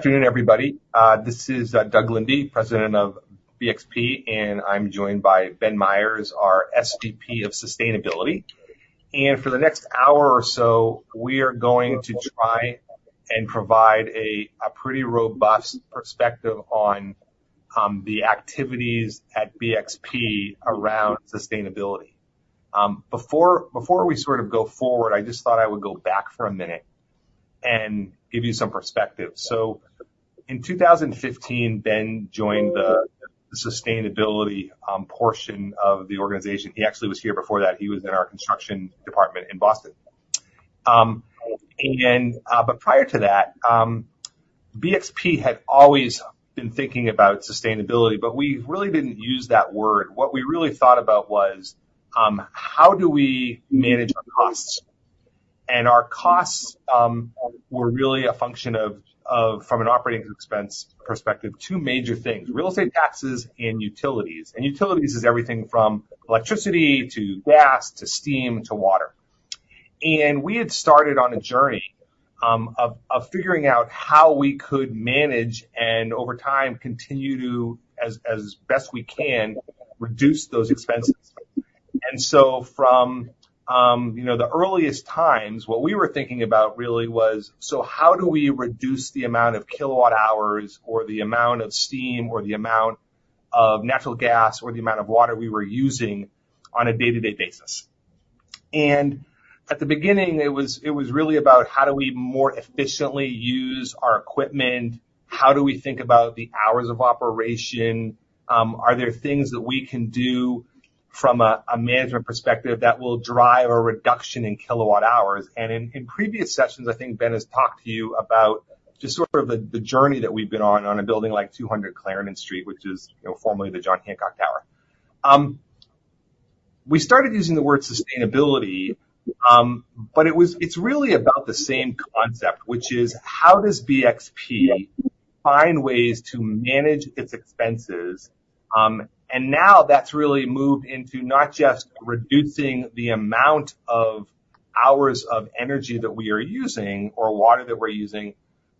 Good afternoon, everybody. This is Doug Linde, President of BXP, and I'm joined by Ben Myers, our SVP of Sustainability. For the next hour or so, we are going to try and provide a pretty robust perspective on the activities at BXP around sustainability. Before we sort of go forward, I just thought I would go back for a minute and give you some perspective. In 2015, Ben joined the sustainability portion of the organization. He actually was here before that, he was in our construction department in Boston. But prior to that, BXP had always been thinking about sustainability, but we really didn't use that word. What we really thought about was how do we manage our costs? Our costs were really a function of, from an operating expense perspective, two major things: real estate taxes and utilities. Utilities is everything from electricity, to gas, to steam, to water. We had started on a journey of figuring out how we could manage and over time continue to, as best we can, reduce those expenses. So from, you know, the earliest times, what we were thinking about really was: so how do we reduce the amount of kilowatt hours or the amount of steam, or the amount of natural gas, or the amount of water we were using on a day-to-day basis? At the beginning, it was really about how do we more efficiently use our equipment? How do we think about the hours of operation? Are there things that we can do from a management perspective that will drive a reduction in kilowatt hours? And in previous sessions, I think Ben has talked to you about just sort of the journey that we've been on, on a building like 200 Clarendon Street, which is, you know, formerly the John Hancock Tower. We started using the word sustainability, but it's really about the same concept, which is: how does BXP find ways to manage its expenses? And now that's really moved into not just reducing the amount of hours of energy that we are using or water that we're using,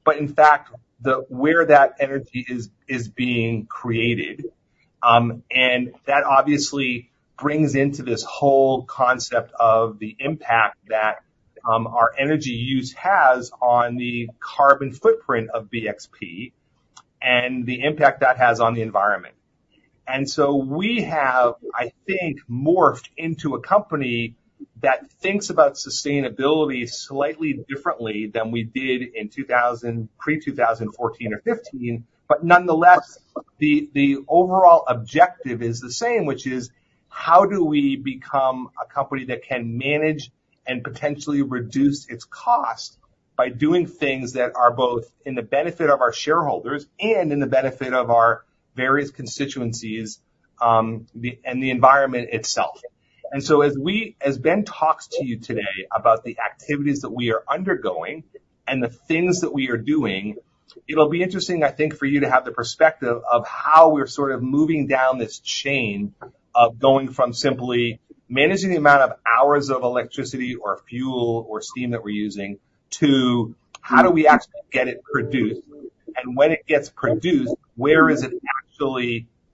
but in fact, the-- where that energy is being created. That obviously brings into this whole concept of the impact that our energy use has on the carbon footprint of BXP and the impact that has on the environment. And so we have, I think, morphed into a company that thinks about sustainability slightly differently than we did in 2000... pre-2014 or 2015. But nonetheless, the overall objective is the same, which is: how do we become a company that can manage and potentially reduce its cost by doing things that are both in the benefit of our shareholders and in the benefit of our various constituencies, and the environment itself? And so as Ben talks to you today about the activities that we are undergoing and the things that we are doing, it'll be interesting, I think, for you to have the perspective of how we're sort of moving down this chain of going from simply managing the amount of hours of electricity or fuel or steam that we're using, to how do we actually get it produced? And when it gets produced, where is it actually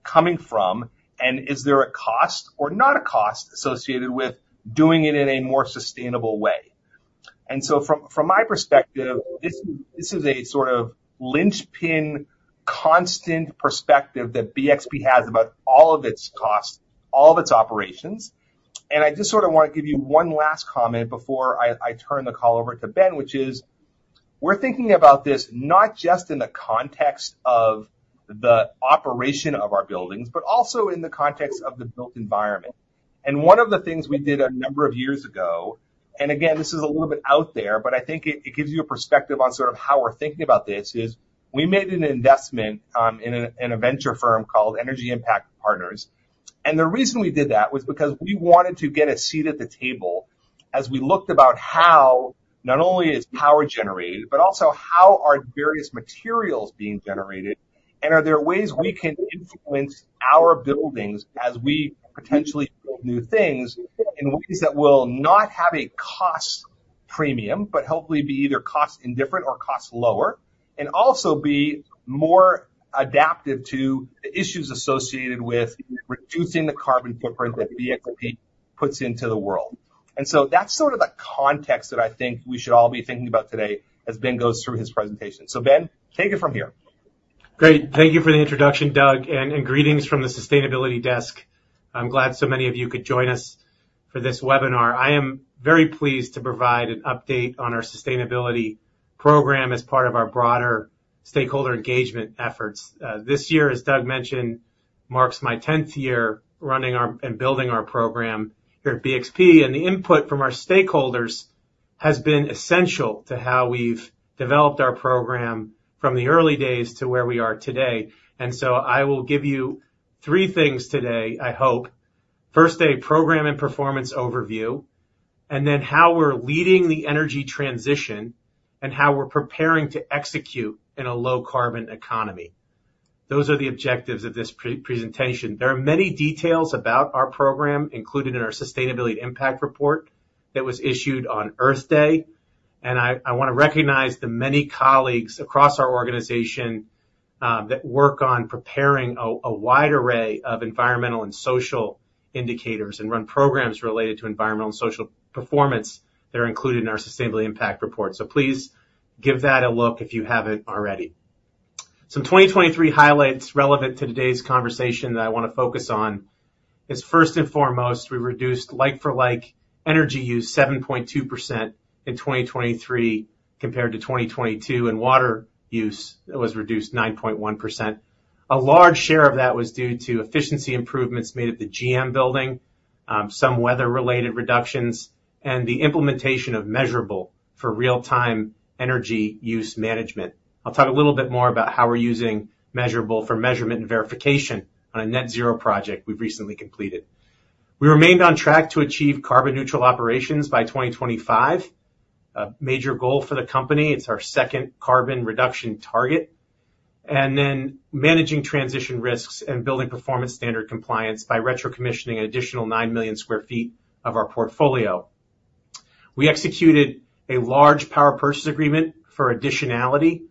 coming from, and is there a cost or not a cost associated with doing it in a more sustainable way? And so from, from my perspective, this, this is a sort of linchpin, constant perspective that BXP has about all of its costs, all of its operations. And I just sort of want to give you one last comment before I turn the call over to Ben, which is: we're thinking about this not just in the context of the operation of our buildings, but also in the context of the built environment. And one of the things we did a number of years ago, and again, this is a little bit out there, but I think it gives you a perspective on sort of how we're thinking about this, is we made an investment in a venture firm called Energy Impact Partners. The reason we did that was because we wanted to get a seat at the table as we looked about how not only is power generated, but also how are various materials being generated, and are there ways we can influence our buildings as we potentially build new things in ways that will not have a cost premium, but hopefully be either cost indifferent or cost lower, and also be more adaptive to the issues associated with reducing the carbon footprint that BXP puts into the world. And so that's sort of the context that I think we should all be thinking about today as Ben goes through his presentation. So, Ben, take it from here. Great. Thank you for the introduction, Doug, and, and greetings from the sustainability desk. I'm glad so many of you could join us for this webinar. I am very pleased to provide an update on our sustainability program as part of our broader stakeholder engagement efforts. This year, as Doug mentioned, marks my 10th year running our-- and building our program here at BXP, and the input from our stakeholders has been essential to how we've developed our program from the early days to where we are today. And so I will give you three things today, I hope. First, a program and performance overview, and then how we're leading the energy transition, and how we're preparing to execute in a low carbon economy.... Those are the objectives of this pre-presentation. There are many details about our program, included in our sustainability impact report that was issued on Earth Day. I want to recognize the many colleagues across our organization that work on preparing a wide array of environmental and social indicators, and run programs related to environmental and social performance that are included in our sustainability impact report. Please give that a look if you haven't already. Some 2023 highlights relevant to today's conversation that I want to focus on is first and foremost, we reduced like-for-like energy use 7.2% in 2023 compared to 2022, and water use was reduced 9.1%. A large share of that was due to efficiency improvements made at the GM Building, some weather-related reductions, and the implementation of Measurabl for real-time energy use management. I'll talk a little bit more about how we're using Measurabl for measurement and verification on a net zero project we've recently completed. We remained on track to achieve carbon neutral operations by 2025. A major goal for the company, it's our second carbon reduction target. And then managing transition risks and building performance standard compliance by retro-commissioning an additional 9 million sq ft of our portfolio. We executed a large power purchase agreement for additionality,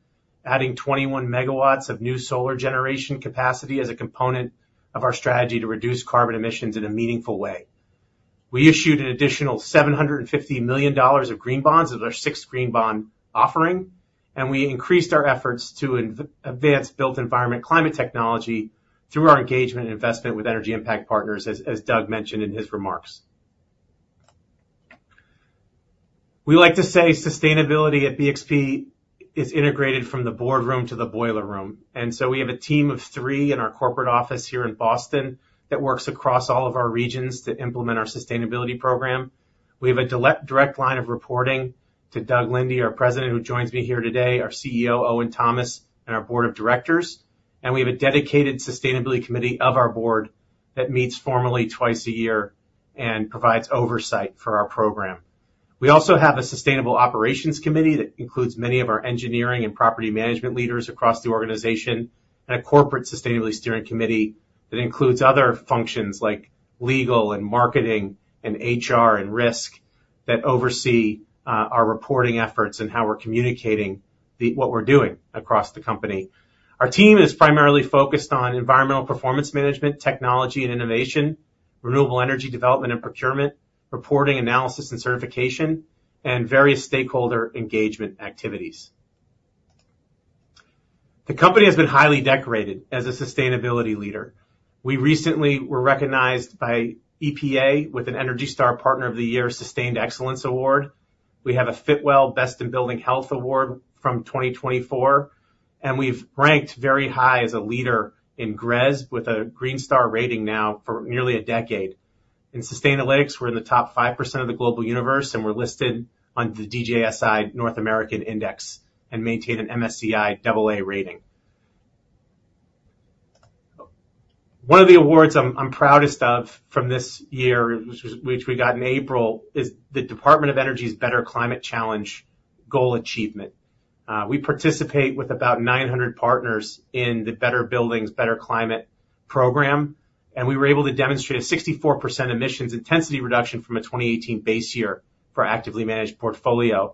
adding 21 MW of new solar generation capacity as a component of our strategy to reduce carbon emissions in a meaningful way. We issued an additional $750 million of green bonds as our sixth green bond offering, and we increased our efforts to advance built environment climate technology through our engagement and investment with Energy Impact Partners, as Doug mentioned in his remarks. We like to say sustainability at BXP is integrated from the boardroom to the boiler room. So we have a team of three in our corporate office here in Boston that works across all of our regions to implement our sustainability program. We have a direct line of reporting to Doug Linde, our President, who joins me here today, our CEO, Owen Thomas, and our board of directors. We have a dedicated sustainability committee of our board that meets formally twice a year and provides oversight for our program. We also have a sustainable operations committee that includes many of our engineering and property management leaders across the organization, and a corporate sustainability steering committee that includes other functions like legal and marketing, and HR, and risk, that oversee our reporting efforts and how we're communicating the... what we're doing across the company. Our team is primarily focused on environmental performance management, technology and innovation, renewable energy development and procurement, reporting, analysis and certification, and various stakeholder engagement activities. The company has been highly decorated as a sustainability leader. We recently were recognized by EPA with an ENERGY STAR Partner of the Year Sustained Excellence Award. We have a Fitwel Best in Building Health award from 2024, and we've ranked very high as a leader in GRESB with a Green Star rating now for nearly a decade. In Sustainalytics, we're in the top 5% of the global universe, and we're listed on the DJSI North American Index and maintain an MSCI AA rating. One of the awards I'm proudest of from this year, which we got in April, is the Department of Energy's Better Climate Challenge Goal Achievement. We participate with about 900 partners in the Better Buildings, Better Climate program, and we were able to demonstrate a 64% emissions intensity reduction from a 2018 base year for actively managed portfolio.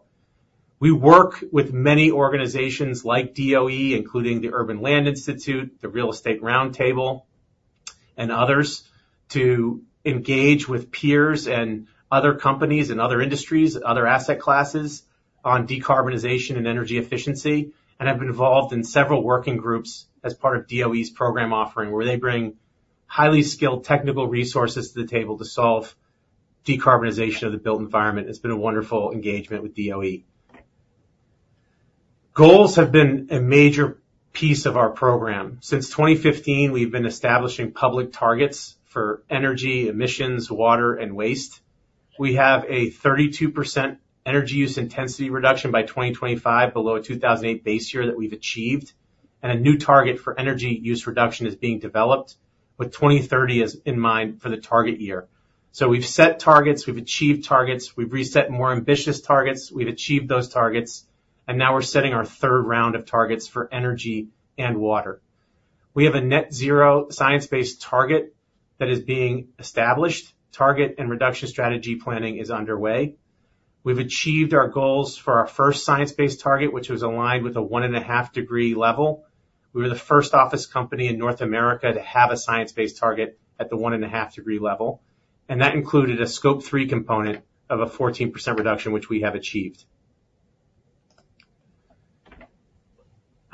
We work with many organizations like DOE, including the Urban Land Institute, the Real Estate Roundtable, and others, to engage with peers and other companies and other industries, other asset classes, on decarbonization and energy efficiency. We have been involved in several working groups as part of DOE's program offering, where they bring highly skilled technical resources to the table to solve decarbonization of the built environment. It's been a wonderful engagement with DOE. Goals have been a major piece of our program. Since 2015, we've been establishing public targets for energy, emissions, water, and waste. We have a 32% energy use intensity reduction by 2025, below a 2008 base year that we've achieved, and a new target for energy use reduction is being developed with 2030 in mind for the target year. So we've set targets, we've achieved targets, we've reset more ambitious targets, we've achieved those targets, and now we're setting our third round of targets for energy and water. We have a net zero science-based target that is being established. Target and reduction strategy planning is underway. We've achieved our goals for our first science-based target, which was aligned with a 1.5-degree level. We were the first office company in North America to have a science-based target at the 1.5-degree level, and that included a Scope 3 component of a 14% reduction, which we have achieved.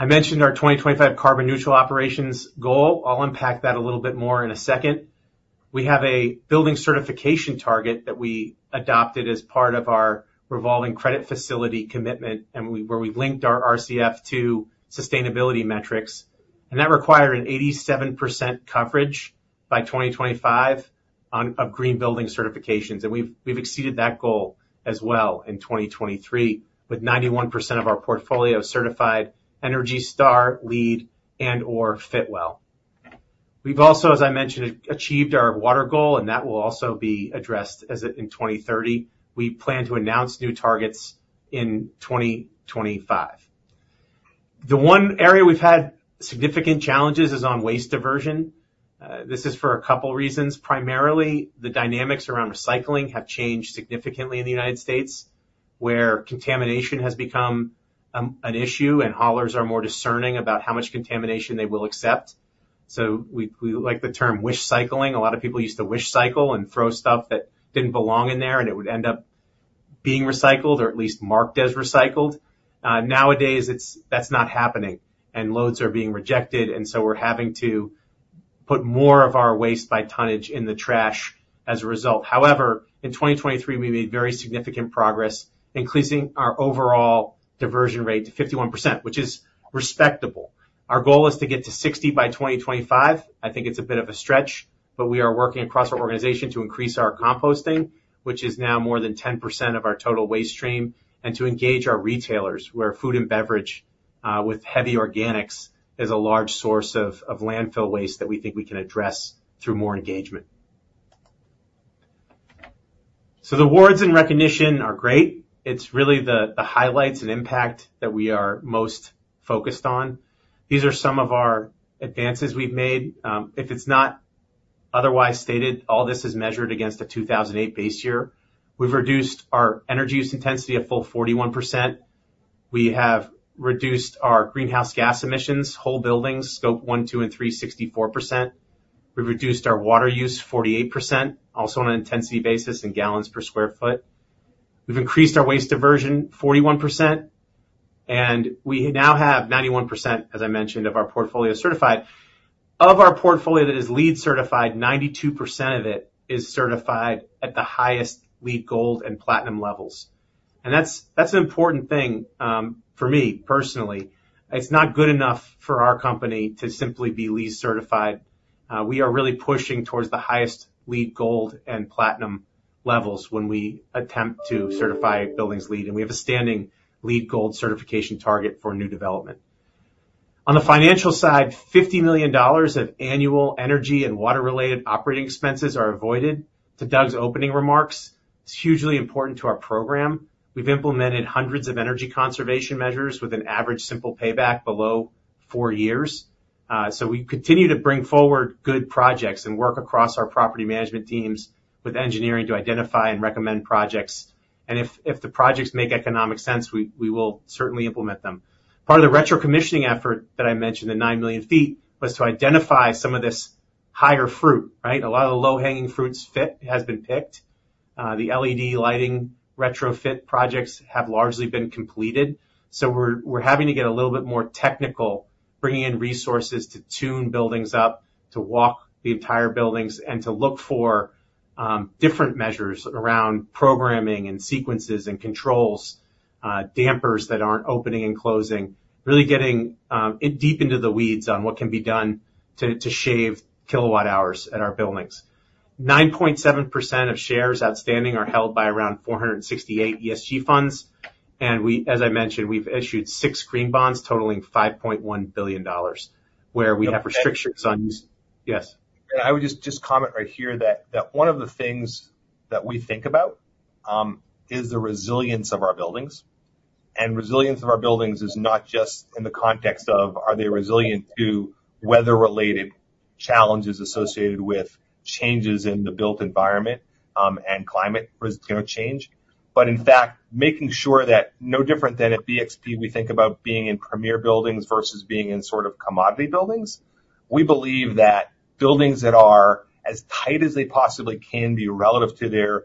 I mentioned our 2025 carbon neutral operations goal. I'll unpack that a little bit more in a second. We have a building certification target that we adopted as part of our revolving credit facility commitment, and we, where we've linked our RCF to sustainability metrics. That required an 87% coverage by 2025 of green building certifications. We've exceeded that goal as well in 2023, with 91% of our portfolio certified ENERGY STAR, LEED, and/or Fitwel.... We've also, as I mentioned, achieved our water goal, and that will also be addressed as it in 2030. We plan to announce new targets in 2025. The one area we've had significant challenges is on waste diversion. This is for a couple reasons. Primarily, the dynamics around recycling have changed significantly in the United States, where contamination has become an issue, and haulers are more discerning about how much contamination they will accept. So we like the term wish cycling. A lot of people used to wish cycle and throw stuff that didn't belong in there, and it would end up being recycled or at least marked as recycled. Nowadays, that's not happening, and loads are being rejected, and so we're having to put more of our waste by tonnage in the trash as a result. However, in 2023, we made very significant progress, increasing our overall diversion rate to 51%, which is respectable. Our goal is to get to 60 by 2025. I think it's a bit of a stretch, but we are working across our organization to increase our composting, which is now more than 10% of our total waste stream, and to engage our retailers, where food and beverage with heavy organics is a large source of landfill waste that we think we can address through more engagement. So the awards and recognition are great. It's really the highlights and impact that we are most focused on. These are some of our advances we've made. If it's not otherwise stated, all this is measured against a 2008 base year. We've reduced our energy use intensity a full 41%. We have reduced our greenhouse gas emissions, whole buildings, Scope 1, 2, and 3, 64%. We've reduced our water use 48%, also on an intensity basis in gallons per square foot. We've increased our waste diversion 41%, and we now have 91%, as I mentioned, of our portfolio certified. Of our portfolio that is LEED certified, 92% of it is certified at the highest LEED Gold and Platinum levels. And that's, that's an important thing, for me, personally. It's not good enough for our company to simply be LEED certified. We are really pushing towards the highest LEED Gold and Platinum levels when we attempt to certify buildings LEED, and we have a standing LEED Gold certification target for new development. On the financial side, $50 million of annual energy and water-related operating expenses are avoided. To Doug's opening remarks, it's hugely important to our program. We've implemented hundreds of energy conservation measures with an average simple payback below four years. So we continue to bring forward good projects and work across our property management teams with engineering to identify and recommend projects. And if the projects make economic sense, we will certainly implement them. Part of the retro commissioning effort that I mentioned, the 9 million ft, was to identify some of this higher fruit, right? A lot of the low-hanging fruits fit has been picked. The LED lighting retrofit projects have largely been completed. So we're having to get a little bit more technical, bringing in resources to tune buildings up, to walk the entire buildings, and to look for different measures around programming and sequences and controls, dampers that aren't opening and closing. Really getting deep into the weeds on what can be done to shave kilowatt hours at our buildings. 9.7% of shares outstanding are held by around 468 ESG funds, and we—as I mentioned, we've issued 6 green bonds totaling $5.1 billion, where we have restrictions on use. Yes? I would just comment right here that one of the things that we think about is the resilience of our buildings. Resilience of our buildings is not just in the context of, are they resilient to weather-related challenges associated with changes in the built environment, and climate, you know, change. In fact, making sure that no different than at BXP, we think about being in premier buildings versus being in sort of commodity buildings. We believe that buildings that are as tight as they possibly can be relative to their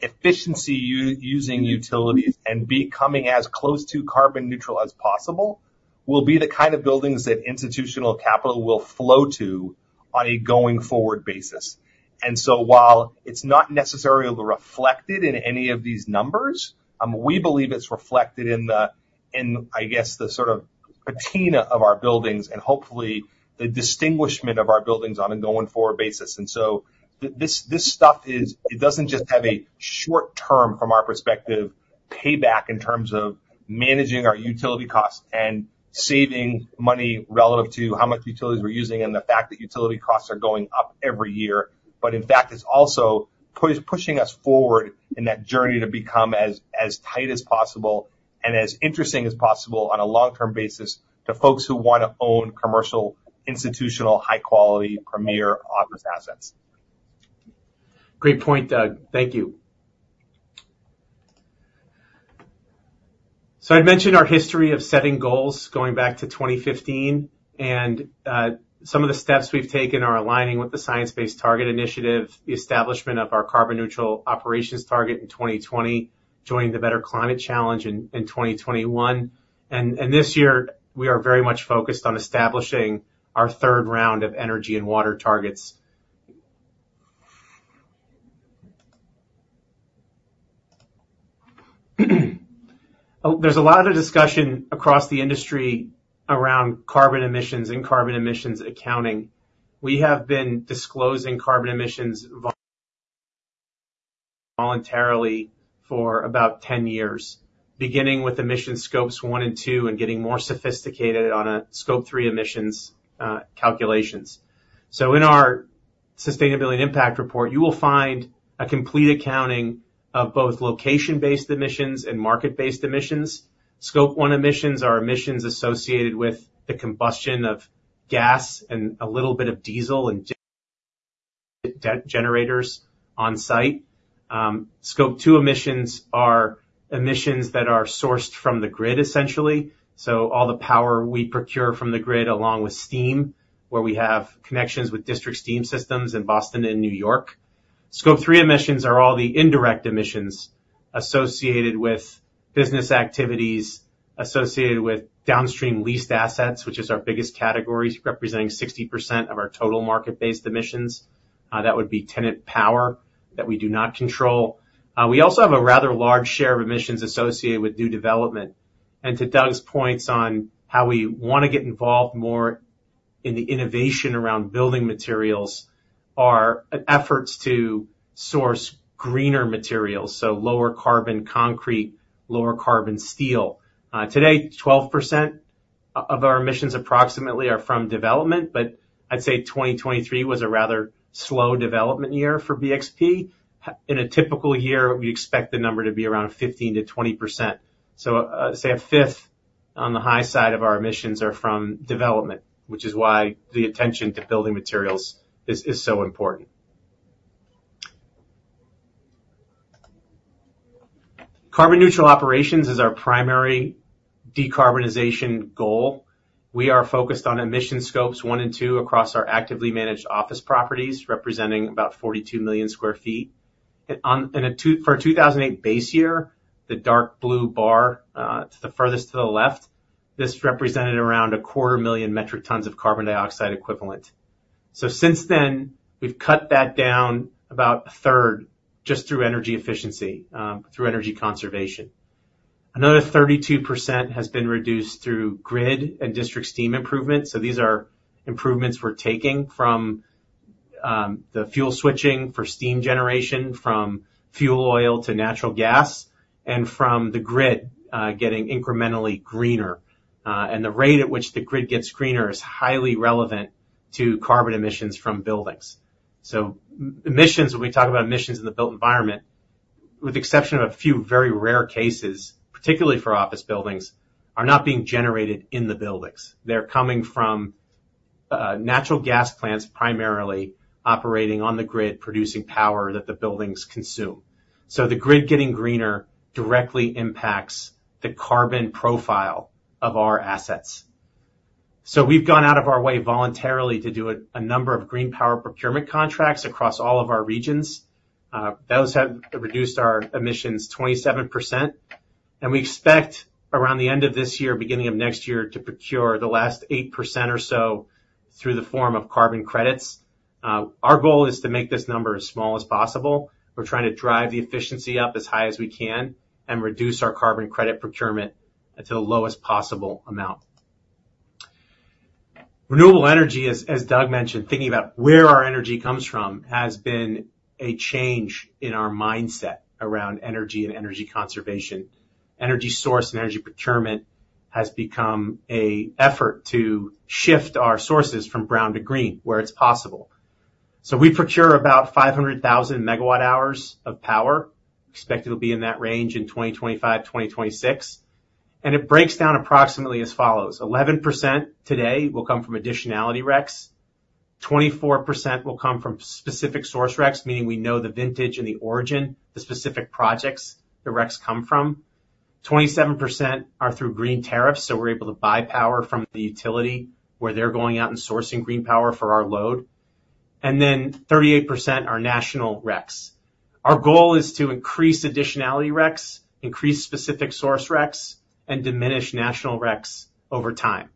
efficiency using utilities and becoming as close to carbon neutral as possible, will be the kind of buildings that institutional capital will flow to on a going-forward basis. And so while it's not necessarily reflected in any of these numbers, we believe it's reflected in the, in, I guess, the sort of patina of our buildings and, hopefully, the distinguishment of our buildings on a going-forward basis. And so this, this stuff is... It doesn't just have a short-term, from our perspective, payback in terms of managing our utility costs and saving money relative to how much utilities we're using and the fact that utility costs are going up every year. But in fact, it's also pushing us forward in that journey to become as, as tight as possible and as interesting as possible on a long-term basis to folks who want to own commercial, institutional, high-quality, premier office assets. Great point, Doug. Thank you. So I'd mentioned our history of setting goals going back to 2015, and some of the steps we've taken are aligning with the Science-Based Targets initiative, the establishment of our carbon neutral operations target in 2020, joining the Better Climate Challenge in 2021. And this year, we are very much focused on establishing our third round of energy and water targets. Oh, there's a lot of discussion across the industry around carbon emissions and carbon emissions accounting. We have been disclosing carbon emissions voluntarily for about 10 years, beginning with emission scopes 1 and 2, and getting more sophisticated on a Scope 3 emissions calculations. So in our sustainability impact report, you will find a complete accounting of both location-based emissions and market-based emissions. Scope 1 emissions are emissions associated with the combustion of gas and a little bit of diesel and backup generators on site. Scope 2 emissions are emissions that are sourced from the grid, essentially. So all the power we procure from the grid, along with steam, where we have connections with district steam systems in Boston and New York. Scope 3 emissions are all the indirect emissions associated with business activities, associated with downstream leased assets, which is our biggest categories, representing 60% of our total market-based emissions. That would be tenant power that we do not control. We also have a rather large share of emissions associated with new development. And to Doug's points on how we want to get involved more in the innovation around building materials, our efforts to source greener materials, so lower carbon concrete, lower carbon steel. Today, 12% of our emissions, approximately, are from development, but I'd say 2023 was a rather slow development year for BXP. In a typical year, we expect the number to be around 15%-20%. So, say, 1/5 on the high side of our emissions are from development, which is why the attention to building materials is so important. Carbon neutral operations is our primary decarbonization goal. We are focused on emission scopes 1 and 2 across our actively managed office properties, representing about 42 million sq ft. And in a 2008 base year, the dark blue bar to the furthest to the left, this represented around a quarter million metric tons of carbon dioxide equivalent. So since then, we've cut that down about a third, just through energy efficiency, through energy conservation. Another 32% has been reduced through grid and district steam improvements. So these are improvements we're taking from the fuel switching for steam generation, from fuel oil to natural gas, and from the grid getting incrementally greener. And the rate at which the grid gets greener is highly relevant to carbon emissions from buildings. So emissions, when we talk about emissions in the built environment, with the exception of a few very rare cases, particularly for office buildings, are not being generated in the buildings. They're coming from natural gas plants, primarily operating on the grid, producing power that the buildings consume. So the grid getting greener directly impacts the carbon profile of our assets. So we've gone out of our way voluntarily to do a number of green power procurement contracts across all of our regions. Those have reduced our emissions 27%, and we expect around the end of this year, beginning of next year, to procure the last 8% or so through the form of carbon credits. Our goal is to make this number as small as possible. We're trying to drive the efficiency up as high as we can and reduce our carbon credit procurement to the lowest possible amount. Renewable energy, as, as Doug mentioned, thinking about where our energy comes from, has been a change in our mindset around energy and energy conservation. Energy source and energy procurement has become an effort to shift our sources from brown to green, where it's possible. So we procure about 500,000 MWh of power. Expect it'll be in that range in 2025, 2026, and it breaks down approximately as follows: 11% today will come from additionality RECs. 24% will come from specific source RECs, meaning we know the vintage and the origin, the specific projects the RECs come from. 27% are through green tariffs, so we're able to buy power from the utility, where they're going out and sourcing green power for our load. And then 38% are national RECs. Our goal is to increase additionality RECs, increase specific source RECs, and diminish national RECs over time.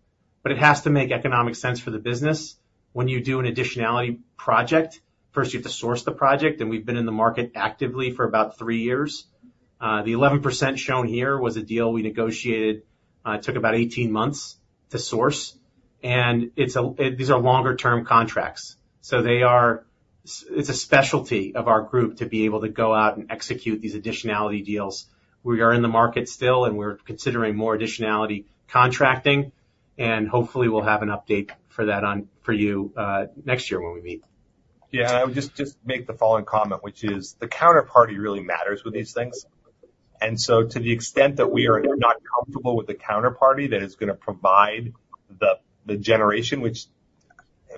But it has to make economic sense for the business. When you do an additionality project, first you have to source the project, and we've been in the market actively for about three years. The 11% shown here was a deal we negotiated. It took about 18 months to source, and it's a... These are longer term contracts, so they are it's a specialty of our group to be able to go out and execute these additionality deals. We are in the market still, and we're considering more additionality contracting, and hopefully we'll have an update for that on, for you, next year when we meet. Yeah, I would just, just make the following comment, which is the counterparty really matters with these things. And so to the extent that we are not comfortable with the counterparty that is gonna provide the, the generation, which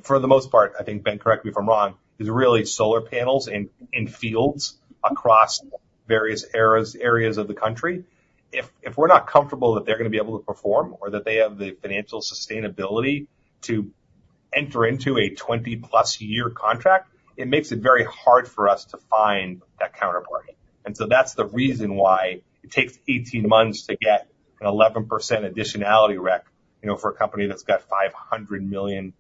for the most part, I think, Ben, correct me if I'm wrong, is really solar panels in, in fields across various areas, areas of the country. If, if we're not comfortable that they're gonna be able to perform or that they have the financial sustainability to enter into a 20+ year contract, it makes it very hard for us to find that counterparty. And so that's the reason why it takes 18 months to get an 11% additionality REC, you know, for a company that's got 500 million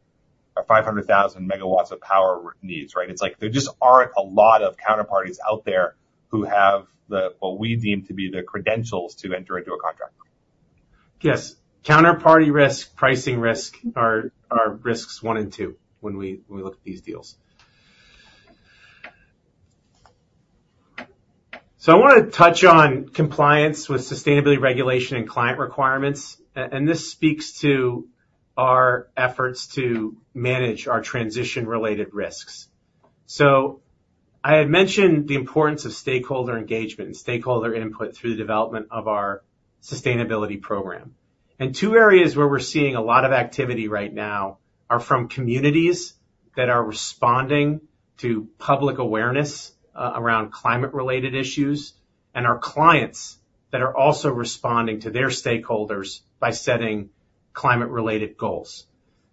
or 500,000 MW of power needs, right? It's like there just aren't a lot of counterparties out there who have the, what we deem to be the credentials to enter into a contract.... Yes, counterparty risk, pricing risk are risks one and two when we look at these deals. So I want to touch on compliance with sustainability regulation and client requirements, and this speaks to our efforts to manage our transition-related risks. So I had mentioned the importance of stakeholder engagement and stakeholder input through the development of our sustainability program. And two areas where we're seeing a lot of activity right now are from communities that are responding to public awareness around climate-related issues, and our clients that are also responding to their stakeholders by setting climate-related goals.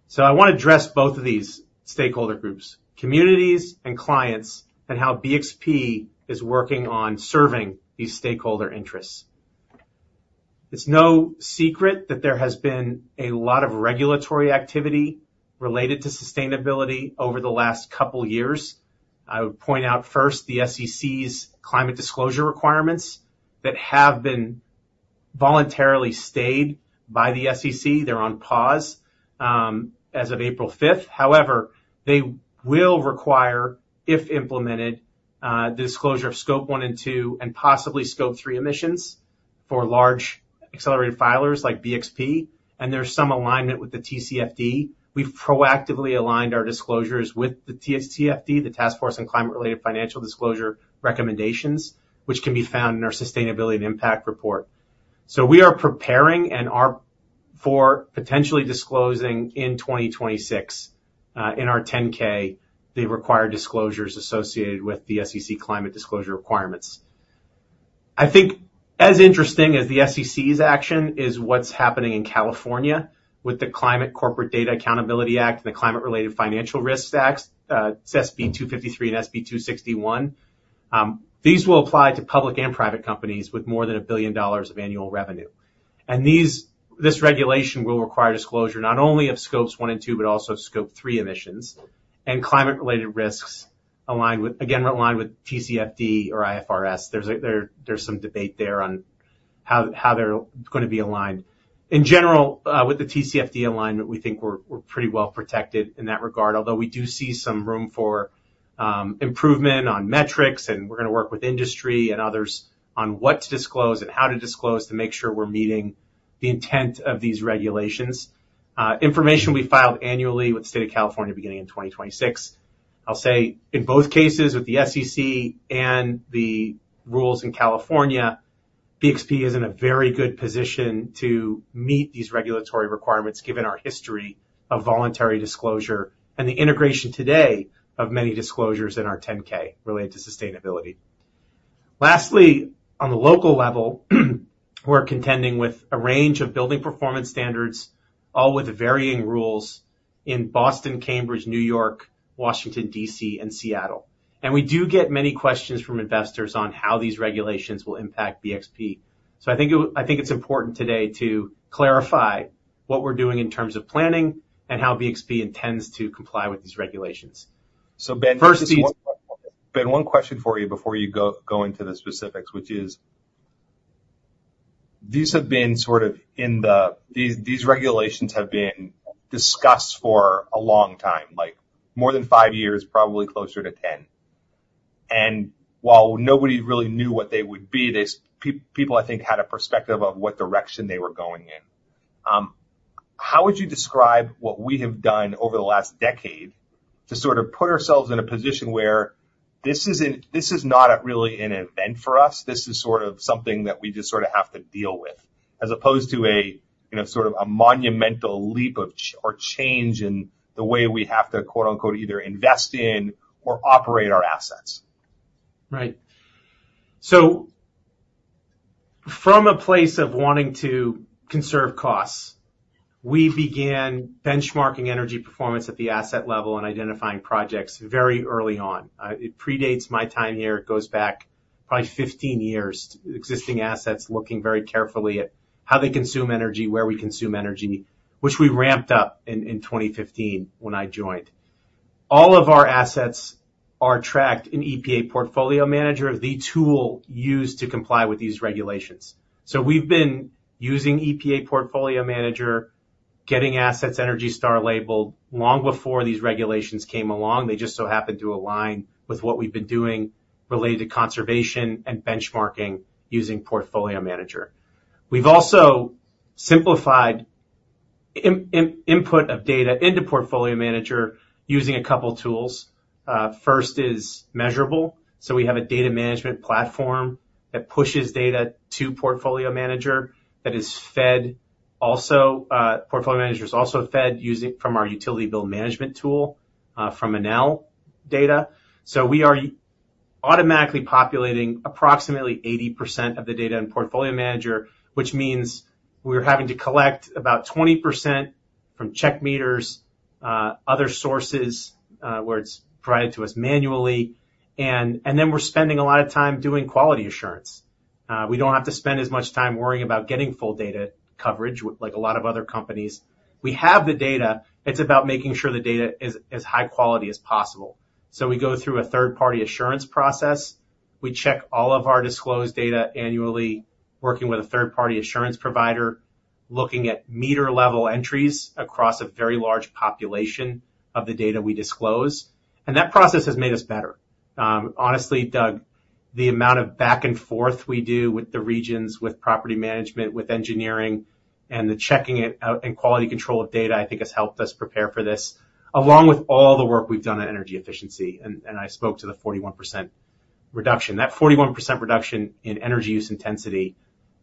So I want to address both of these stakeholder groups, communities and clients, and how BXP is working on serving these stakeholder interests. It's no secret that there has been a lot of regulatory activity related to sustainability over the last couple years. I would point out first, the SEC's climate disclosure requirements that have been voluntarily stayed by the SEC. They're on pause, as of April 5th. However, they will require, if implemented, disclosure of Scope 1 and 2, and possibly Scope 3 emissions for large accelerated filers like BXP, and there's some alignment with the TCFD. We've proactively aligned our disclosures with the TCFD, the Task Force on Climate-related Financial Disclosure recommendations, which can be found in our sustainability and impact report. So we are preparing for potentially disclosing in 2026, in our 10-K, the required disclosures associated with the SEC climate disclosure requirements. I think as interesting as the SEC's action is what's happening in California with the Climate Corporate Data Accountability Act and the Climate-related Financial Risks Acts, SB 253 and SB 261. These will apply to public and private companies with more than $1 billion of annual revenue. This regulation will require disclosure, not only of Scope 1 and 2, but also Scope 3 emissions and climate-related risks aligned with, again, aligned with TCFD or IFRS. There's some debate there on how they're gonna be aligned. In general, with the TCFD alignment, we think we're pretty well protected in that regard, although we do see some room for improvement on metrics, and we're gonna work with industry and others on what to disclose and how to disclose to make sure we're meeting the intent of these regulations. Information will be filed annually with the state of California, beginning in 2026. I'll say, in both cases, with the SEC and the rules in California, BXP is in a very good position to meet these regulatory requirements, given our history of voluntary disclosure and the integration today of many disclosures in our 10-K related to sustainability. Lastly, on the local level, we're contending with a range of building performance standards, all with varying rules in Boston, Cambridge, New York, Washington, D.C., and Seattle. And we do get many questions from investors on how these regulations will impact BXP. So I think it's important today to clarify what we're doing in terms of planning and how BXP intends to comply with these regulations. So first- Ben, just one question. Ben, one question for you before you go into the specifics, which is: these have been sort of in the... These regulations have been discussed for a long time, like, more than five years, probably closer to 10. And while nobody really knew what they would be, these people, I think, had a perspective of what direction they were going in. How would you describe what we have done over the last decade to sort of put ourselves in a position where this isn't—this is not really an event for us, this is sort of something that we just sort of have to deal with, as opposed to a, you know, sort of a monumental leap of change in the way we have to, quote-unquote, either invest in or operate our assets? Right. So from a place of wanting to conserve costs, we began benchmarking energy performance at the asset level and identifying projects very early on. It predates my time here. It goes back probably 15 years, existing assets, looking very carefully at how they consume energy, where we consume energy, which we ramped up in, in 2015 when I joined. All of our assets are tracked in EPA Portfolio Manager, the tool used to comply with these regulations. So we've been using EPA Portfolio Manager, getting assets ENERGY STAR labeled long before these regulations came along. They just so happened to align with what we've been doing related to conservation and benchmarking using Portfolio Manager. We've also simplified input of data into Portfolio Manager using a couple tools. First is Measurabl. So we have a data management platform that pushes data to Portfolio Manager, that is fed also, Portfolio Manager is also fed using from our utility bill management tool, from Enel data. So we are automatically populating approximately 80% of the data in Portfolio Manager, which means we're having to collect about 20% from check meters, other sources, where it's provided to us manually, and, and then we're spending a lot of time doing quality assurance. We don't have to spend as much time worrying about getting full data coverage, like a lot of other companies. We have the data. It's about making sure the data is as high quality as possible. So we go through a third-party assurance process. We check all of our disclosed data annually, working with a third-party assurance provider, looking at meter-level entries across a very large population of the data we disclose. That process has made us better. Honestly, Doug, the amount of back and forth we do with the regions, with property management, with engineering, and the checking it out and quality control of data, I think, has helped us prepare for this, along with all the work we've done on energy efficiency. I spoke to the 41% reduction. That 41% reduction in energy use intensity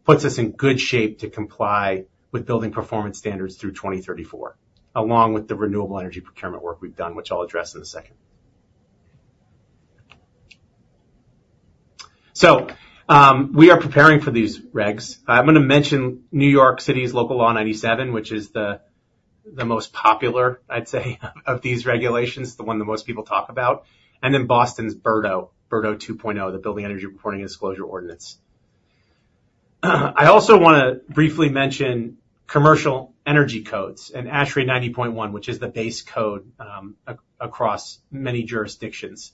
puts us in good shape to comply with building performance standards through 2034, along with the renewable energy procurement work we've done, which I'll address in a second. We are preparing for these regs. I'm gonna mention New York City's Local Law 97, which is the, the most popular, I'd say, of these regulations, the one that most people talk about, and then Boston's BERDO, BERDO 2.0, the Building Energy Reporting and Disclosure Ordinance. I also wanna briefly mention commercial energy codes and ASHRAE 90.1, which is the base code, across many jurisdictions.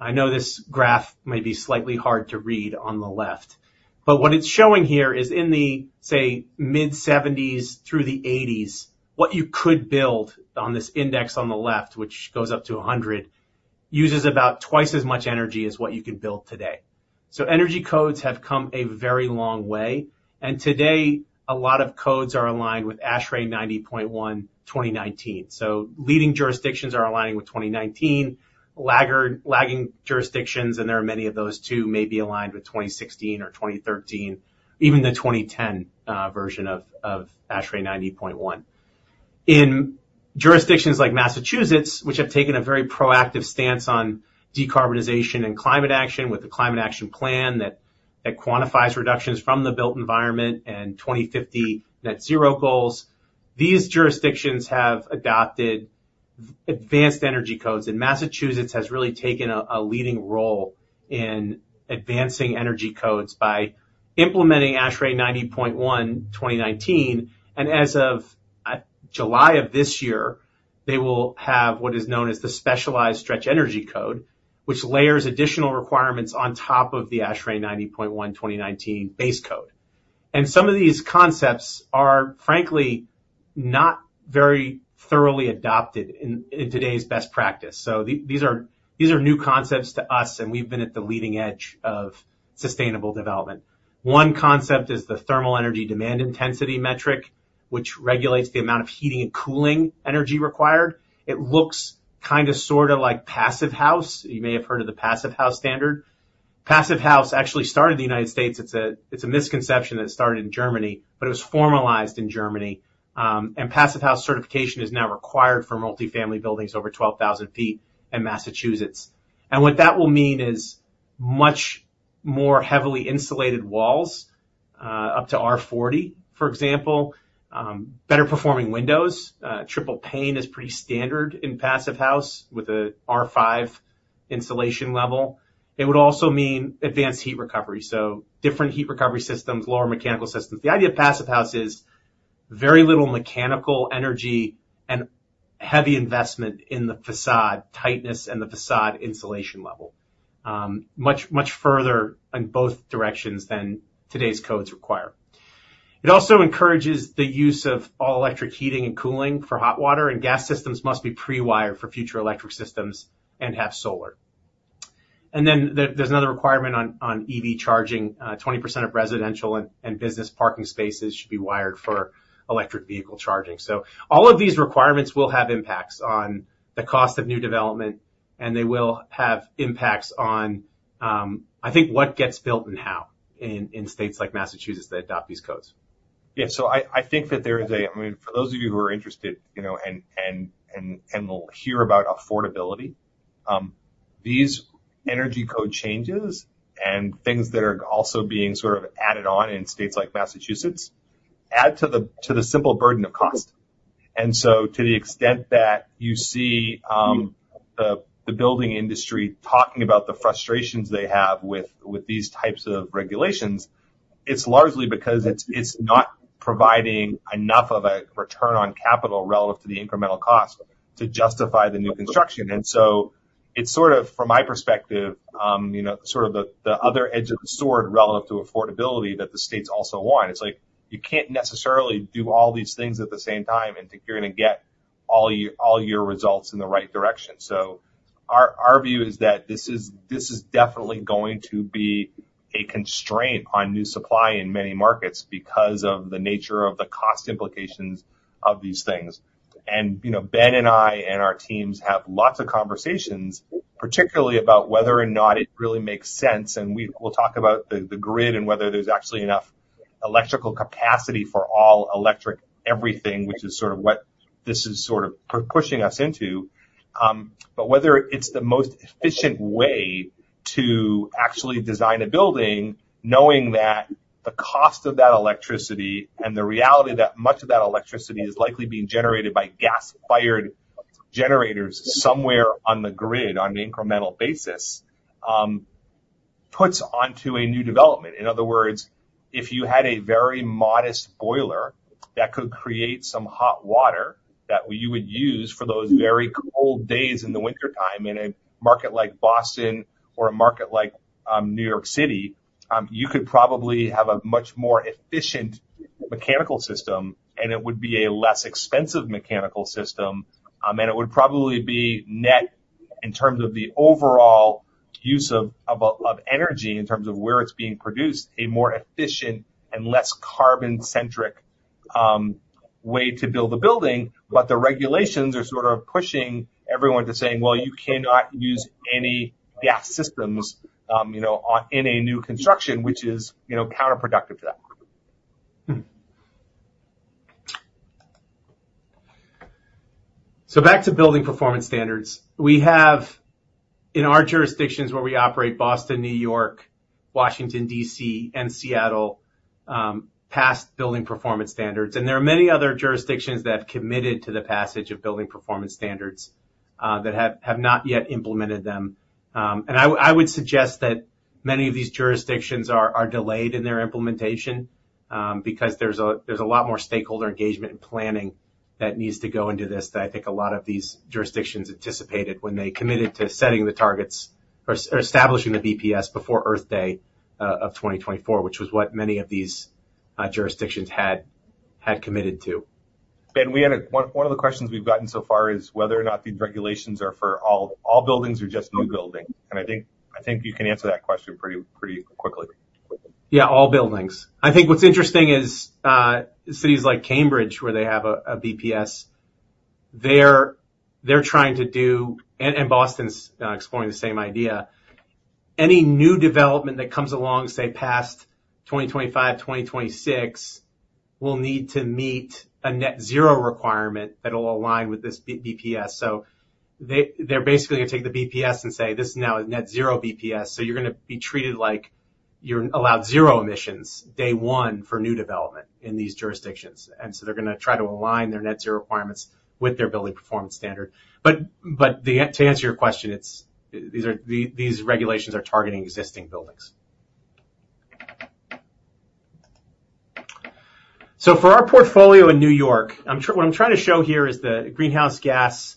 I know this graph may be slightly hard to read on the left, but what it's showing here is in the, say, mid-1970s through the 1980s, what you could build on this index on the left, which goes up to 100, uses about twice as much energy as what you can build today. So energy codes have come a very long way, and today, a lot of codes are aligned with ASHRAE 90.1, 2019. So leading jurisdictions are aligning with 2019. Lagging jurisdictions, and there are many of those, too, may be aligned with 2016 or 2013, even the 2010 version of ASHRAE 90.1. In jurisdictions like Massachusetts, which have taken a very proactive stance on decarbonization and climate action with the Climate Action Plan, that quantifies reductions from the built environment and 2050 net zero goals, these jurisdictions have adopted advanced energy codes. And Massachusetts has really taken a leading role in advancing energy codes by implementing ASHRAE 90.1, 2019, and as of July of this year, they will have what is known as the Specialized Stretch Energy Code, which layers additional requirements on top of the ASHRAE 90.1, 2019 base code. Some of these concepts are, frankly, not very thoroughly adopted in today's best practice. So these are, these are new concepts to us, and we've been at the leading edge of sustainable development. One concept is the thermal energy demand intensity metric, which regulates the amount of heating and cooling energy required. It looks kinda, sorta like Passive House. You may have heard of the Passive House standard. Passive House actually started in the United States. It's a, it's a misconception that it started in Germany, but it was formalized in Germany. And Passive House certification is now required for multifamily buildings over 12,000 sq ft in Massachusetts. And what that will mean is much more heavily insulated walls, up to R-40, for example, better performing windows. Triple pane is pretty standard in Passive House with a R-5 insulation level. It would also mean advanced heat recovery, so different heat recovery systems, lower mechanical systems. The idea of Passive House is very little mechanical energy and heavy investment in the facade tightness and the facade insulation level. Much, much further in both directions than today's codes require. It also encourages the use of all-electric heating and cooling for hot water, and gas systems must be pre-wired for future electric systems and have solar. And then there, there's another requirement on EV charging. 20% of residential and business parking spaces should be wired for electric vehicle charging. So all of these requirements will have impacts on the cost of new development, and they will have impacts on, I think, what gets built and how in states like Massachusetts that adopt these codes. Yeah, so I think that there is a... I mean, for those of you who are interested, you know, and will hear about affordability, these energy code changes and things that are also being sort of added on in states like Massachusetts add to the simple burden of cost. And so to the extent that you see, the building industry talking about the frustrations they have with these types of regulations, it's largely because it's not providing enough of a return on capital relative to the incremental cost to justify the new construction. And so it's sort of, from my perspective, you know, sort of the other edge of the sword relative to affordability that the states also want. It's like, you can't necessarily do all these things at the same time and think you're gonna get all your results in the right direction. So our view is that this is definitely going to be a constraint on new supply in many markets because of the nature of the cost implications of these things. And, you know, Ben and I and our teams have lots of conversations, particularly about whether or not it really makes sense, and we'll talk about the grid and whether there's actually enough electrical capacity for all electric everything, which is sort of what this is sort of pushing us into. But whether it's the most efficient way to actually design a building, knowing that the cost of that electricity and the reality that much of that electricity is likely being generated by gas-fired generators somewhere on the grid on an incremental basis, puts onto a new development. In other words, if you had a very modest boiler that could create some hot water that we would use for those very cold days in the wintertime, in a market like Boston or a market like New York City, you could probably have a much more efficient mechanical system, and it would be a less expensive mechanical system. And it would probably be net in terms of the overall use of energy, in terms of where it's being produced, a more efficient and less carbon-centric way to build a building. But the regulations are sort of pushing everyone to saying: Well, you cannot use any gas systems, you know, in a new construction, which is, you know, counterproductive to that. So back to building performance standards. We have, in our jurisdictions where we operate, Boston, New York, Washington, D.C., and Seattle, passed building performance standards. There are many other jurisdictions that have committed to the passage of building performance standards, that have not yet implemented them. I would suggest that many of these jurisdictions are delayed in their implementation, because there's a lot more stakeholder engagement and planning that needs to go into this, that I think a lot of these jurisdictions anticipated when they committed to setting the targets or establishing the BPS before Earth Day of 2024, which was what many of these jurisdictions had committed to. Ben, we had one of the questions we've gotten so far is whether or not these regulations are for all buildings or just new buildings. And I think you can answer that question pretty quickly. Yeah, all buildings. I think what's interesting is cities like Cambridge, where they have a BPS, they're trying to do... and Boston's exploring the same idea. Any new development that comes along, say, past 2025, 2026, will need to meet a net zero requirement that'll align with this BPS. So they're basically going to take the BPS and say: This is now a net zero BPS, so you're going to be treated like you're allowed zero emissions, day one, for new development in these jurisdictions. And so they're going to try to align their net zero requirements with their building performance standard. But to answer your question, it's these regulations are targeting existing buildings. So for our portfolio in New York, what I'm trying to show here is the greenhouse gas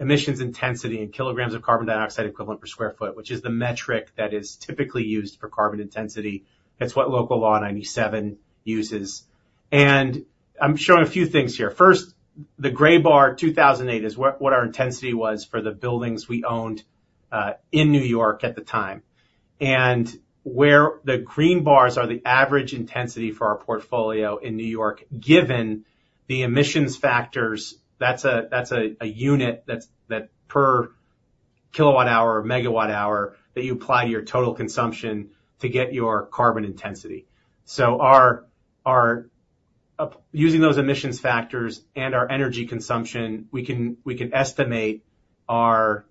emissions intensity in kilograms of carbon dioxide equivalent per square feet, which is the metric that is typically used for carbon intensity. That's what Local Law 97 uses. I'm showing a few things here. First, the gray bar, 2008, is what our intensity was for the buildings we owned in New York at the time. Where the green bars are the average intensity for our portfolio in New York, given the emissions factors, that's a unit that's per kilowatt hour or megawatt hour that you apply to your total consumption to get your carbon intensity. So our using those emissions factors and our energy consumption, we can estimate our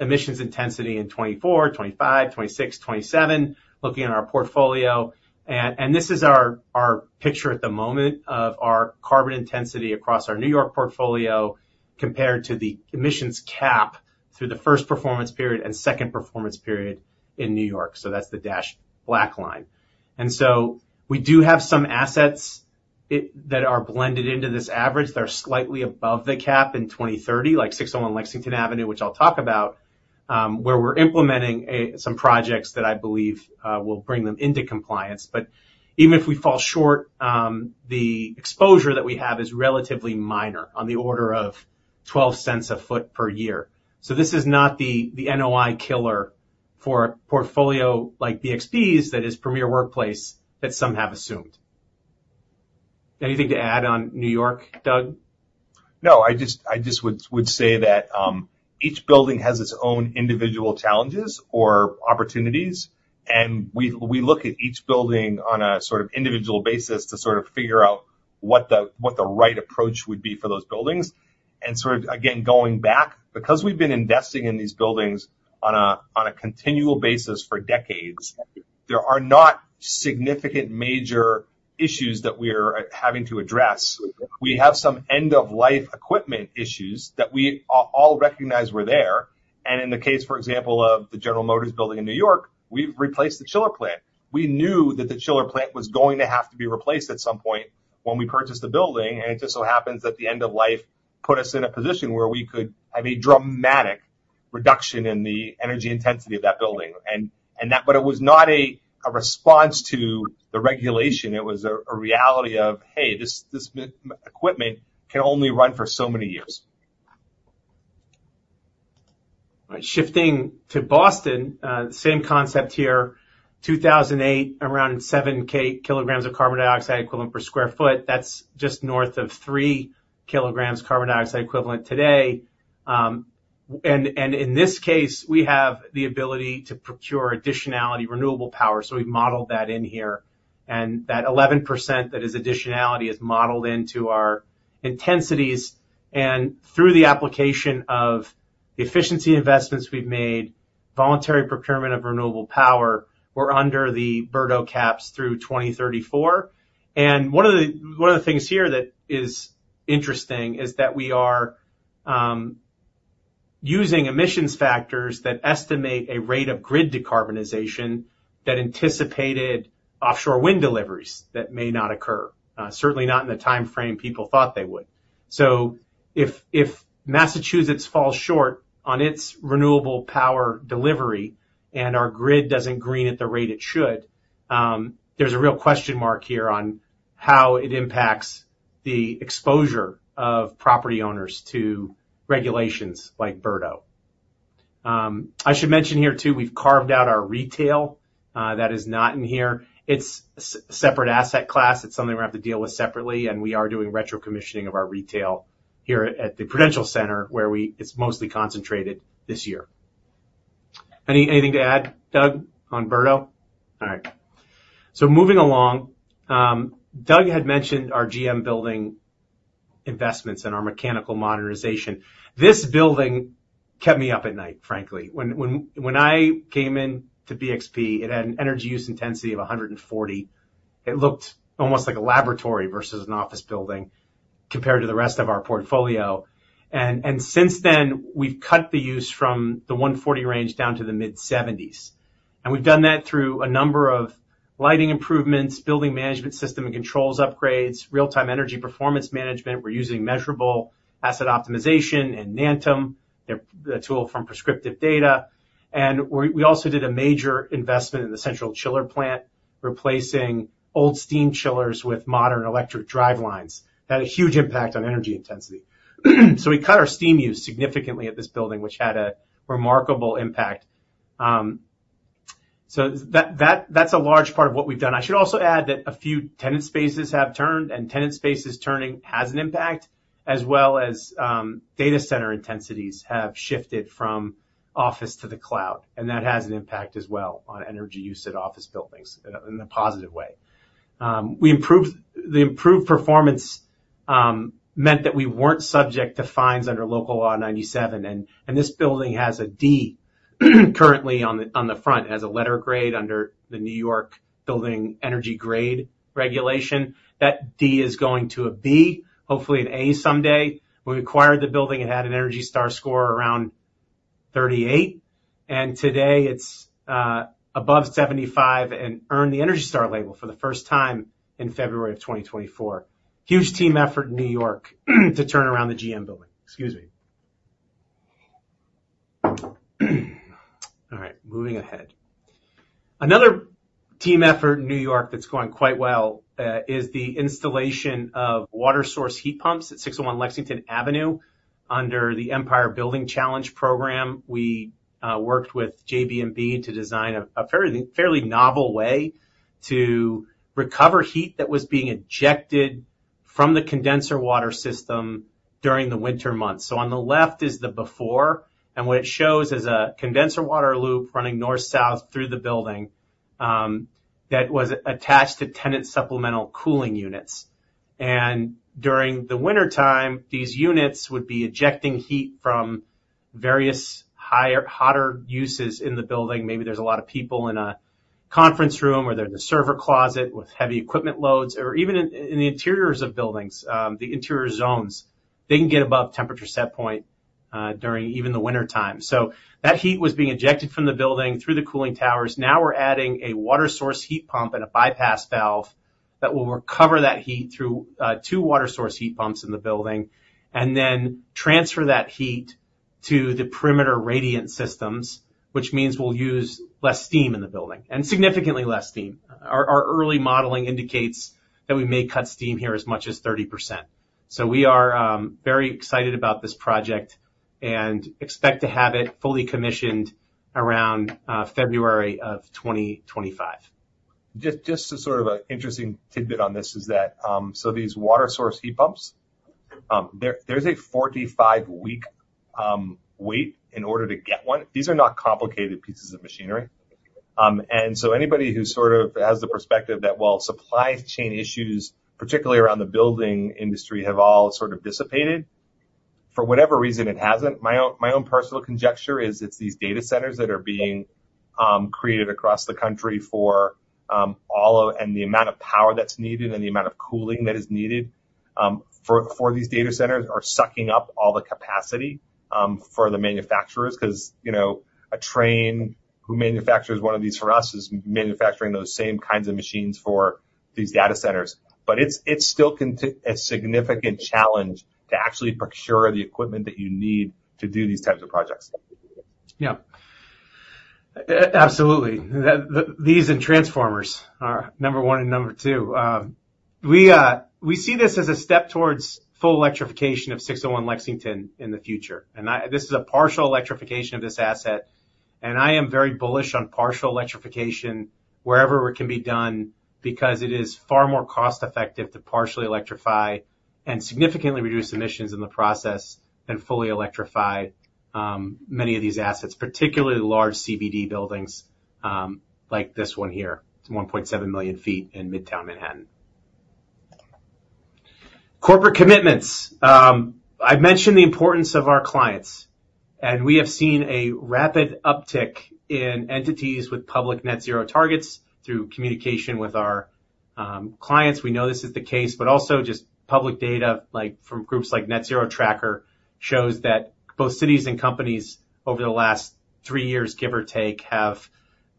emissions intensity in 2024, 2025, 2026, 2027, looking at our portfolio. And this is our picture at the moment of our carbon intensity across our New York portfolio, compared to the emissions cap through the first performance period and second performance period in New York. So that's the dashed black line. And so we do have some assets that are blended into this average. They're slightly above the cap in 2030, like 601 Lexington Avenue, which I'll talk about, where we're implementing some projects that I believe will bring them into compliance. But even if we fall short, the exposure that we have is relatively minor, on the order of $0.12 a foot per year. So this is not the NOI killer for a portfolio like BXP's, that is premier workplace, that some have assumed. Anything to add on New York, Doug? No, I just would say that each building has its own individual challenges or opportunities, and we look at each building on a sort of individual basis to sort of figure out what the right approach would be for those buildings. And sort of, again, going back, because we've been investing in these buildings on a continual basis for decades, there are not significant major issues that we're having to address. We have some end-of-life equipment issues that we all recognize were there. And in the case, for example, of the General Motors Building in New York, we've replaced the chiller plant. We knew that the chiller plant was going to have to be replaced at some point when we purchased the building, and it just so happens that the end of life put us in a position where we could have a dramatic reduction in the energy intensity of that building. But it was not a response to the regulation. It was a reality of, hey, this equipment can only run for so many years. Shifting to Boston, same concept here. 2008, around 7 kg of carbon dioxide equivalent per square feet. That's just north of 3 kg carbon dioxide equivalent today. And in this case, we have the ability to procure additionality renewable power, so we've modeled that in here. And that 11% that is additionality is modeled into our intensities. And through the application of the efficiency investments we've made, voluntary procurement of renewable power, we're under the BERDO caps through 2034. And one of the things here that is interesting is that we are using emissions factors that estimate a rate of grid decarbonization that anticipated offshore wind deliveries that may not occur, certainly not in the time frame people thought they would. So if Massachusetts falls short on its renewable power delivery and our grid doesn't green at the rate it should, there's a real question mark here on how it impacts the exposure of property owners to regulations like BERDO. I should mention here, too, we've carved out our retail, that is not in here. It's separate asset class. It's something we're gonna have to deal with separately, and we are doing retro-commissioning of our retail here at the Prudential Center, where it's mostly concentrated this year. Anything to add, Doug, on BERDO? All right. So moving along, Doug had mentioned our GM Building investments and our mechanical modernization. This building kept me up at night, frankly. When I came in to BXP, it had an energy use intensity of 140. It looked almost like a laboratory versus an office building compared to the rest of our portfolio. And since then, we've cut the use from the 140 range down to the mid-70s. And we've done that through a number of lighting improvements, building management system and controls upgrades, real-time energy performance management. We're using Measurabl asset optimization and Nantum, their tool from Prescriptive Data. And we also did a major investment in the central chiller plant, replacing old steam chillers with modern electric drive lines. That had a huge impact on energy intensity. So we cut our steam use significantly at this building, which had a remarkable impact. So that, that's a large part of what we've done. I should also add that a few tenant spaces have turned, and tenant spaces turning has an impact, as well as, data center intensities have shifted from office to the cloud, and that has an impact as well on energy use at office buildings in a, in a positive way. The improved performance meant that we weren't subject to fines under Local Law 97, and this building has a D, currently on the, on the front. It has a letter grade under the New York Building Energy Grade regulation. That D is going to a B, hopefully an A someday. When we acquired the building, it had an ENERGY STAR score around 38, and today it's above 75, and earned the ENERGY STAR label for the first time in February 2024. Huge team effort in New York to turn around the GM Building. Excuse me. All right, moving ahead. Another team effort in New York that's going quite well is the installation of water source heat pumps at 601 Lexington Avenue, under the Empire Building Challenge program. We worked with JB&B to design a fairly novel way to recover heat that was being ejected from the condenser water system during the winter months. So on the left is the before, and what it shows is a condenser water loop running north-south through the building that was attached to tenant supplemental cooling units. During the wintertime, these units would be ejecting heat from various higher, hotter uses in the building. Maybe there's a lot of people in a conference room, or they're in the server closet with heavy equipment loads, or even in the interiors of buildings, the interior zones. They can get above temperature set point, during even the wintertime. So that heat was being ejected from the building through the cooling towers. Now we're adding a water source heat pump and a bypass valve that will recover that heat through, two water source heat pumps in the building, and then transfer that heat to the perimeter radiant systems, which means we'll use less steam in the building, and significantly less steam. Our early modeling indicates that we may cut steam here as much as 30%. So we are, very excited about this project and expect to have it fully commissioned around, February of 2025. Just, just a sort of an interesting tidbit on this is that, so these water source heat pumps, there, there's a 45-week wait in order to get one. These are not complicated pieces of machinery. And so anybody who sort of has the perspective that, well, supply chain issues, particularly around the building industry, have all sort of dissipated, for whatever reason, it hasn't. My own, my own personal conjecture is it's these data centers that are being created across the country for, all of... And the amount of power that's needed and the amount of cooling that is needed, for, for these data centers are sucking up all the capacity for the manufacturers. 'Cause, you know, Trane, who manufactures one of these for us, is manufacturing those same kinds of machines for these data centers. But it's still a significant challenge to actually procure the equipment that you need to do these types of projects. Yeah. Absolutely. The these and transformers are number one and number two. We see this as a step towards full electrification of 601 Lexington in the future. And this is a partial electrification of this asset, and I am very bullish on partial electrification wherever it can be done, because it is far more cost-effective to partially electrify and significantly reduce emissions in the process, than fully electrify many of these assets, particularly large CBD buildings like this one here. It's 1.7 million ft in Midtown Manhattan. Corporate commitments. I've mentioned the importance of our clients, and we have seen a rapid uptick in entities with public net zero targets through communication with our clients. Clients, we know this is the case, but also just public data, like, from groups like Net Zero Tracker, shows that both cities and companies over the last three years, give or take, have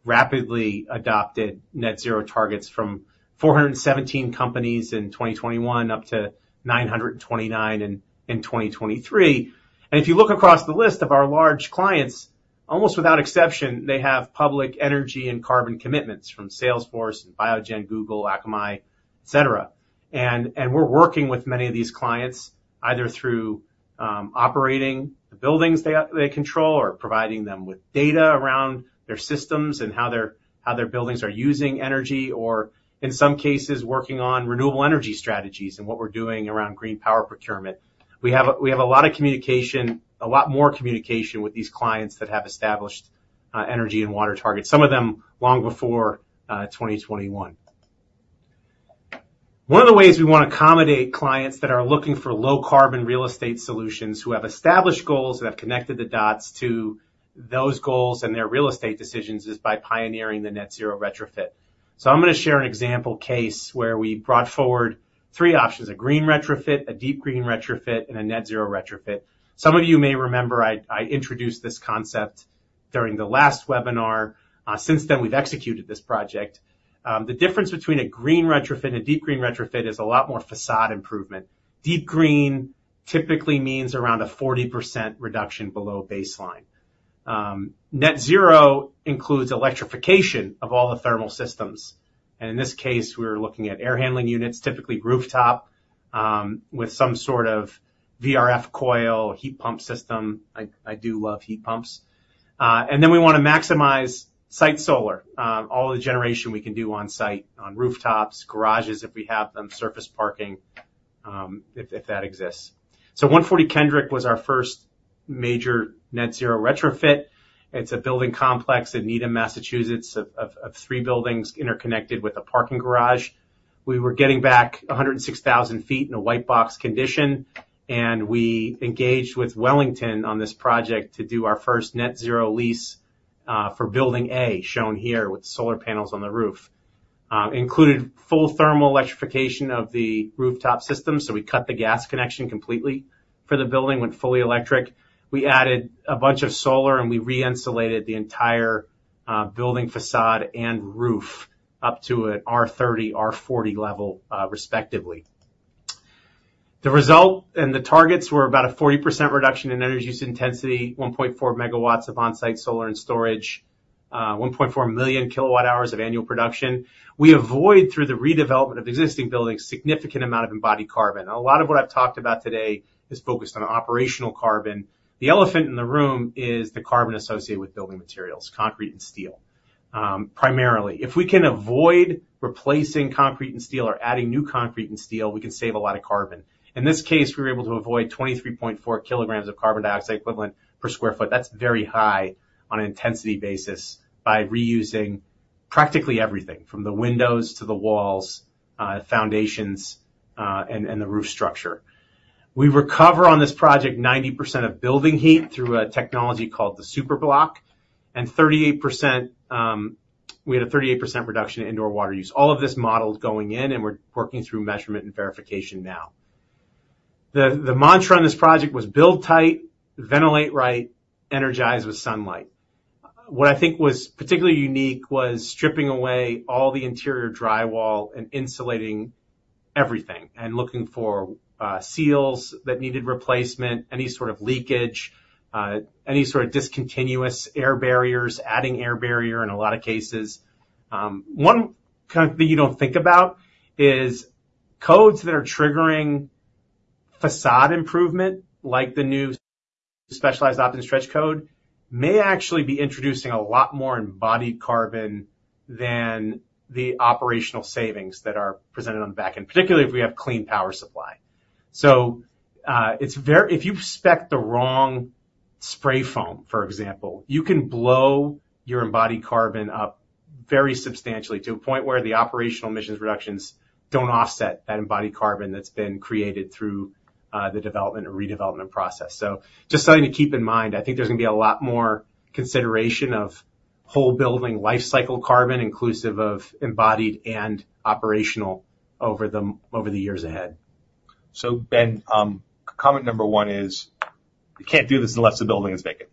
rapidly adopted net zero targets from 417 companies in 2021 up to 929 in 2023. And if you look across the list of our large clients, almost without exception, they have public energy and carbon commitments from Salesforce, Biogen, Google, Akamai, et cetera. And we're working with many of these clients, either through operating the buildings they control or providing them with data around their systems and how their buildings are using energy, or in some cases, working on renewable energy strategies and what we're doing around green power procurement. We have a lot of communication, a lot more communication with these clients that have established energy and water targets, some of them long before 2021. One of the ways we want to accommodate clients that are looking for low-carbon real estate solutions, who have established goals, that have connected the dots to those goals and their real estate decisions, is by pioneering the net zero retrofit. So I'm going to share an example case where we brought forward three options: a green retrofit, a deep green retrofit, and a net zero retrofit. Some of you may remember, I introduced this concept during the last webinar. Since then, we've executed this project. The difference between a green retrofit and a deep green retrofit is a lot more façade improvement. Deep green typically means around a 40% reduction below baseline. Net zero includes electrification of all the thermal systems, and in this case, we're looking at air handling units, typically rooftop, with some sort of VRF coil heat pump system. I do love heat pumps. And then we want to maximize site solar, all the generation we can do on site, on rooftops, garages, if we have them, surface parking, if that exists. 140 Kendrick was our first major net zero retrofit. It's a building complex in Needham, Massachusetts, of three buildings interconnected with a parking garage. We were getting back 106,000 sq ft in a white box condition, and we engaged with Wellington on this project to do our first net zero lease, for Building A, shown here with solar panels on the roof. Included full thermal electrification of the rooftop system, so we cut the gas connection completely for the building, went fully electric. We added a bunch of solar, and we re-insulated the entire building façade and roof up to an R-30, R-40 level, respectively. The result and the targets were about a 40% reduction in energy use intensity, 1.4 MW of on-site solar and storage, 1.4 million kWh of annual production. We avoid, through the redevelopment of existing buildings, significant amount of embodied carbon. A lot of what I've talked about today is focused on operational carbon. The elephant in the room is the carbon associated with building materials, concrete and steel, primarily. If we can avoid replacing concrete and steel or adding new concrete and steel, we can save a lot of carbon. In this case, we were able to avoid 23.4 kg of carbon dioxide equivalent per square feet, that's very high on an intensity basis, by reusing practically everything, from the windows to the walls, foundations, and the roof structure. We recover on this project 90% of building heat through a technology called the Superblock, and 38%, we had a 38% reduction in indoor water use. All of this modeled going in, and we're working through measurement and verification now. The mantra on this project was build tight, ventilate right, energize with sunlight. What I think was particularly unique was stripping away all the interior drywall and insulating everything, and looking for, seals that needed replacement, any sort of leakage, any sort of discontinuous air barriers, adding air barrier in a lot of cases. One kind of thing you don't think about is codes that are triggering façade improvement, like the new Specialized Opt-in Stretch Code, may actually be introducing a lot more embodied carbon than the operational savings that are presented on the back end, particularly if we have clean power supply. So, if you spec the wrong spray foam, for example, you can blow your embodied carbon up very substantially, to a point where the operational emissions reductions don't offset that embodied carbon that's been created through the development or redevelopment process. So just something to keep in mind. I think there's going to be a lot more consideration of whole building lifecycle carbon, inclusive of embodied and operational over the years ahead. So Ben, comment number one is: You can't do this unless the building is vacant,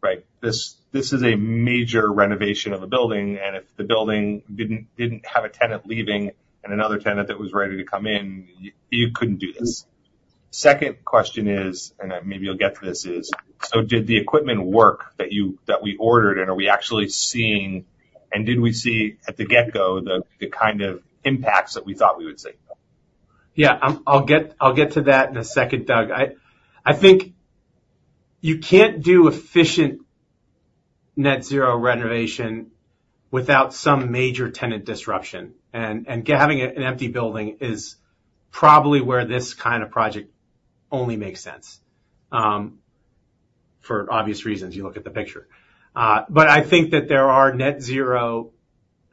right? This is a major renovation of a building, and if the building didn't have a tenant leaving and another tenant that was ready to come in, you couldn't do this. Second question is, and maybe you'll get to this, is: So did the equipment work that we ordered, and are we actually seeing... And did we see at the get-go, the kind of impacts that we thought we would see? Yeah, I'll get to that in a second, Doug. I think you can't do efficient net zero renovation without some major tenant disruption, and having an empty building is probably where this kind of project only makes sense, for obvious reasons, you look at the picture. But I think that there are net zero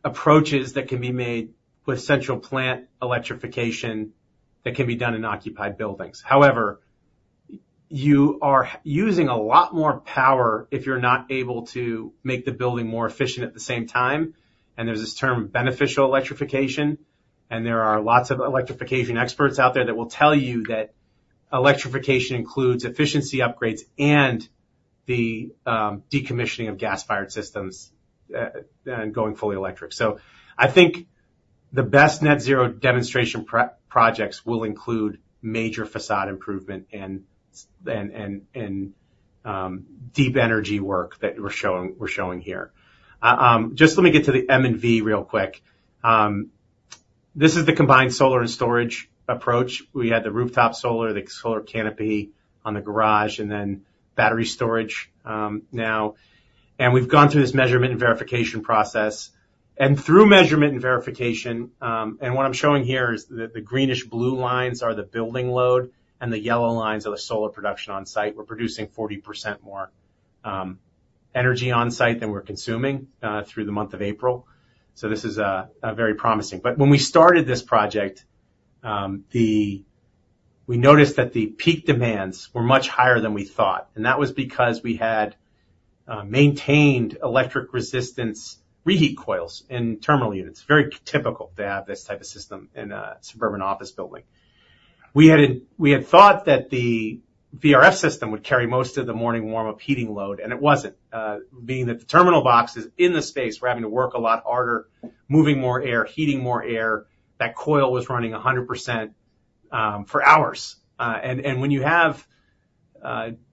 approaches that can be made with central plant electrification that can be done in occupied buildings. However, you are using a lot more power if you're not able to make the building more efficient at the same time. And there's this term, beneficial electrification, and there are lots of electrification experts out there that will tell you that electrification includes efficiency upgrades and the decommissioning of gas-fired systems, and going fully electric. So I think the best net zero demonstration projects will include major facade improvement and deep energy work that we're showing here. Just let me get to the M&V real quick. This is the combined solar and storage approach. We had the rooftop solar, the solar canopy on the garage, and then battery storage now. We've gone through this measurement and verification process. Through measurement and verification, what I'm showing here is the greenish-blue lines are the building load, and the yellow lines are the solar production on site. We're producing 40% more energy on site than we're consuming through the month of April, so this is very promising. But when we started this project, the... We noticed that the peak demands were much higher than we thought, and that was because we had maintained electric resistance reheat coils in terminal units. Very typical to have this type of system in a suburban office building. We had thought that the VRF system would carry most of the morning warm-up heating load, and it wasn't. Being that the terminal boxes in the space were having to work a lot harder, moving more air, heating more air, that coil was running 100% for hours. And when you have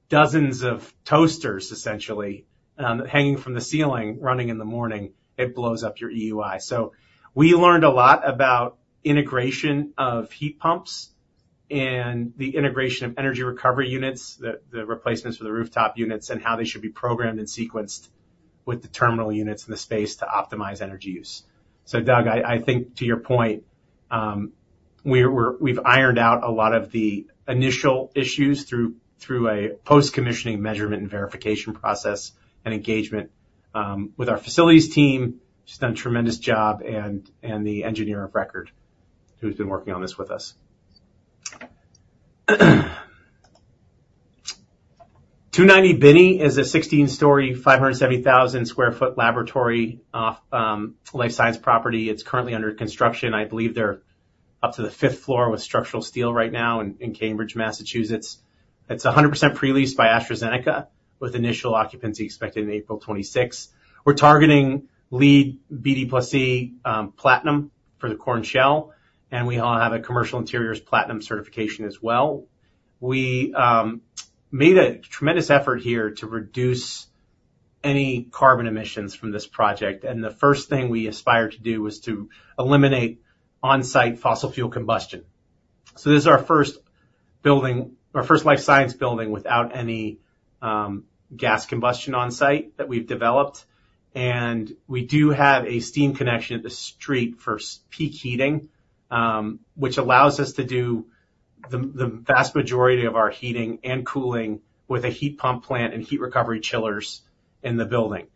dozens of toasters, essentially, hanging from the ceiling, running in the morning, it blows up your EUI. So we learned a lot about integration of heat pumps and the integration of energy recovery units, the replacements for the rooftop units, and how they should be programmed and sequenced with the terminal units in the space to optimize energy use. So Doug, I think, to your point, we're—we've ironed out a lot of the initial issues through a post-commissioning measurement and verification process, and engagement with our facilities team, which has done a tremendous job, and the engineer of record, who's been working on this with us. 290 Binney is a 16-story, 570,000 sq ft laboratory/office life science property. It's currently under construction. I believe they're up to the fifth floor with structural steel right now in Cambridge, Massachusetts. It's 100% pre-leased by AstraZeneca, with initial occupancy expected in April 2026. We're targeting LEED BD+C platinum for the core and shell, and we'll have a Commercial Interiors platinum certification as well. We made a tremendous effort here to reduce any carbon emissions from this project, and the first thing we aspired to do was to eliminate on-site fossil fuel combustion. So this is our first building, our first life science building, without any gas combustion on site that we've developed. And we do have a steam connection at the street for peak heating, which allows us to do the vast majority of our heating and cooling with a heat pump plant and heat recovery chillers in the building.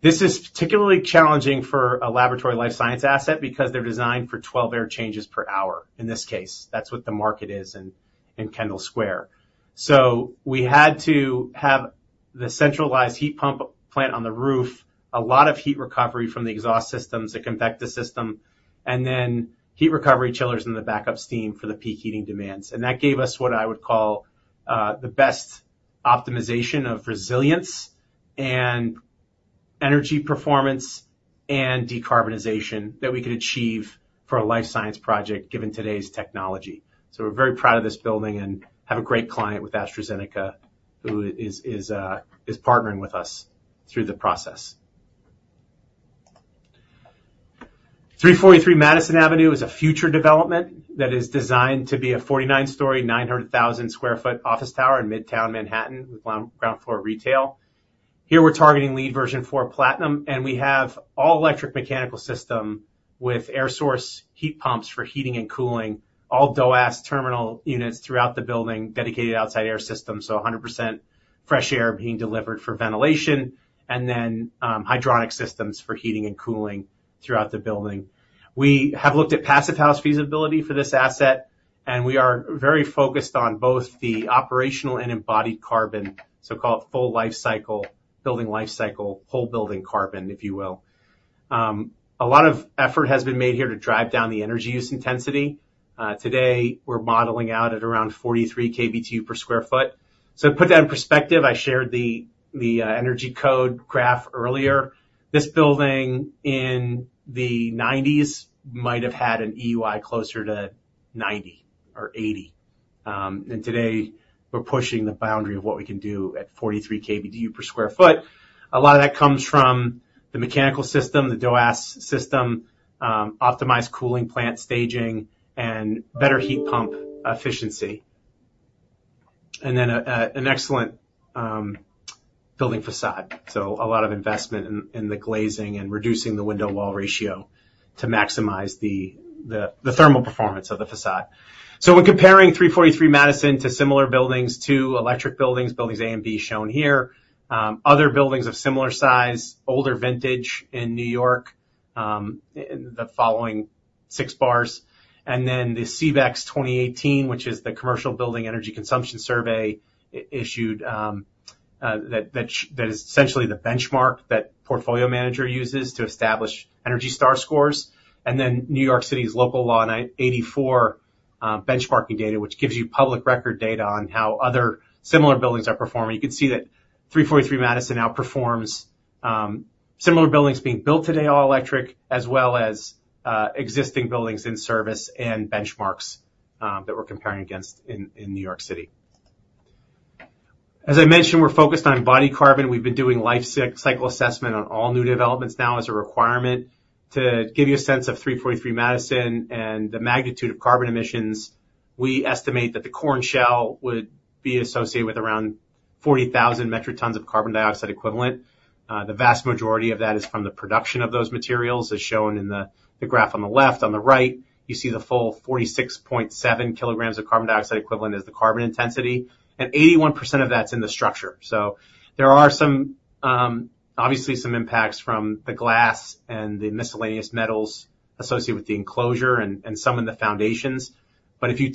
This is particularly challenging for a laboratory life science asset, because they're designed for 12 air changes per hour. In this case, that's what the market is in, in Kendall Square. So we had to have the centralized heat pump plant on the roof, a lot of heat recovery from the exhaust systems, the Konvekta system, and then heat recovery chillers in the backup steam for the peak heating demands. And that gave us what I would call the best optimization of resilience and energy performance, and decarbonization that we could achieve for a life science project, given today's technology. So we're very proud of this building and have a great client with AstraZeneca, who is partnering with us through the process. 343 Madison Avenue is a future development that is designed to be a 49-story, 900,000 sq ft office tower in Midtown Manhattan, with ground floor retail. Here, we're targeting LEED version 4 platinum, and we have all-electric mechanical system with air source heat pumps for heating and cooling, all DOAS terminal units throughout the building, dedicated outside air system, so 100% fresh air being delivered for ventilation, and then hydronic systems for heating and cooling throughout the building. We have looked at Passive House feasibility for this asset, and we are very focused on both the operational and embodied carbon, so-called full life cycle, building life cycle, whole building carbon, if you will. A lot of effort has been made here to drive down the energy use intensity. Today, we're modeling out at around 43 kBtu/sq ft. So to put that in perspective, I shared the energy code graph earlier. This building, in the 1990s, might have had an EUI closer to 90 or 80. And today, we're pushing the boundary of what we can do at 43 kBtu/sq ft. A lot of that comes from the mechanical system, the DOAS system, optimized cooling plant staging, and better heat pump efficiency. And then, an excellent building façade. So a lot of investment in the glazing and reducing the window wall ratio to maximize the thermal performance of the façade. So when comparing 343 Madison to similar buildings, two electric buildings, buildings A and B, shown here, other buildings of similar size, older vintage in New York.... In the following six bars, and then the CBECS 2018, which is the Commercial Buildings Energy Consumption Survey, that is essentially the benchmark that Portfolio Manager uses to establish ENERGY STAR scores, and then New York City's Local Law 97 benchmarking data, which gives you public record data on how other similar buildings are performing. You can see that 343 Madison outperforms similar buildings being built today, all electric, as well as existing buildings in service and benchmarks that we're comparing against in New York City. As I mentioned, we're focused on embodied carbon. We've been doing life cycle assessment on all new developments now as a requirement. To give you a sense of 343 Madison Avenue and the magnitude of carbon emissions, we estimate that the core and shell would be associated with around 40,000 metric tons of carbon dioxide equivalent. The vast majority of that is from the production of those materials, as shown in the graph on the left. On the right, you see the full 46.7 kg of carbon dioxide equivalent as the carbon intensity, and 81% of that's in the structure. So there are some obviously some impacts from the glass and the miscellaneous metals associated with the enclosure and some in the foundations. But if you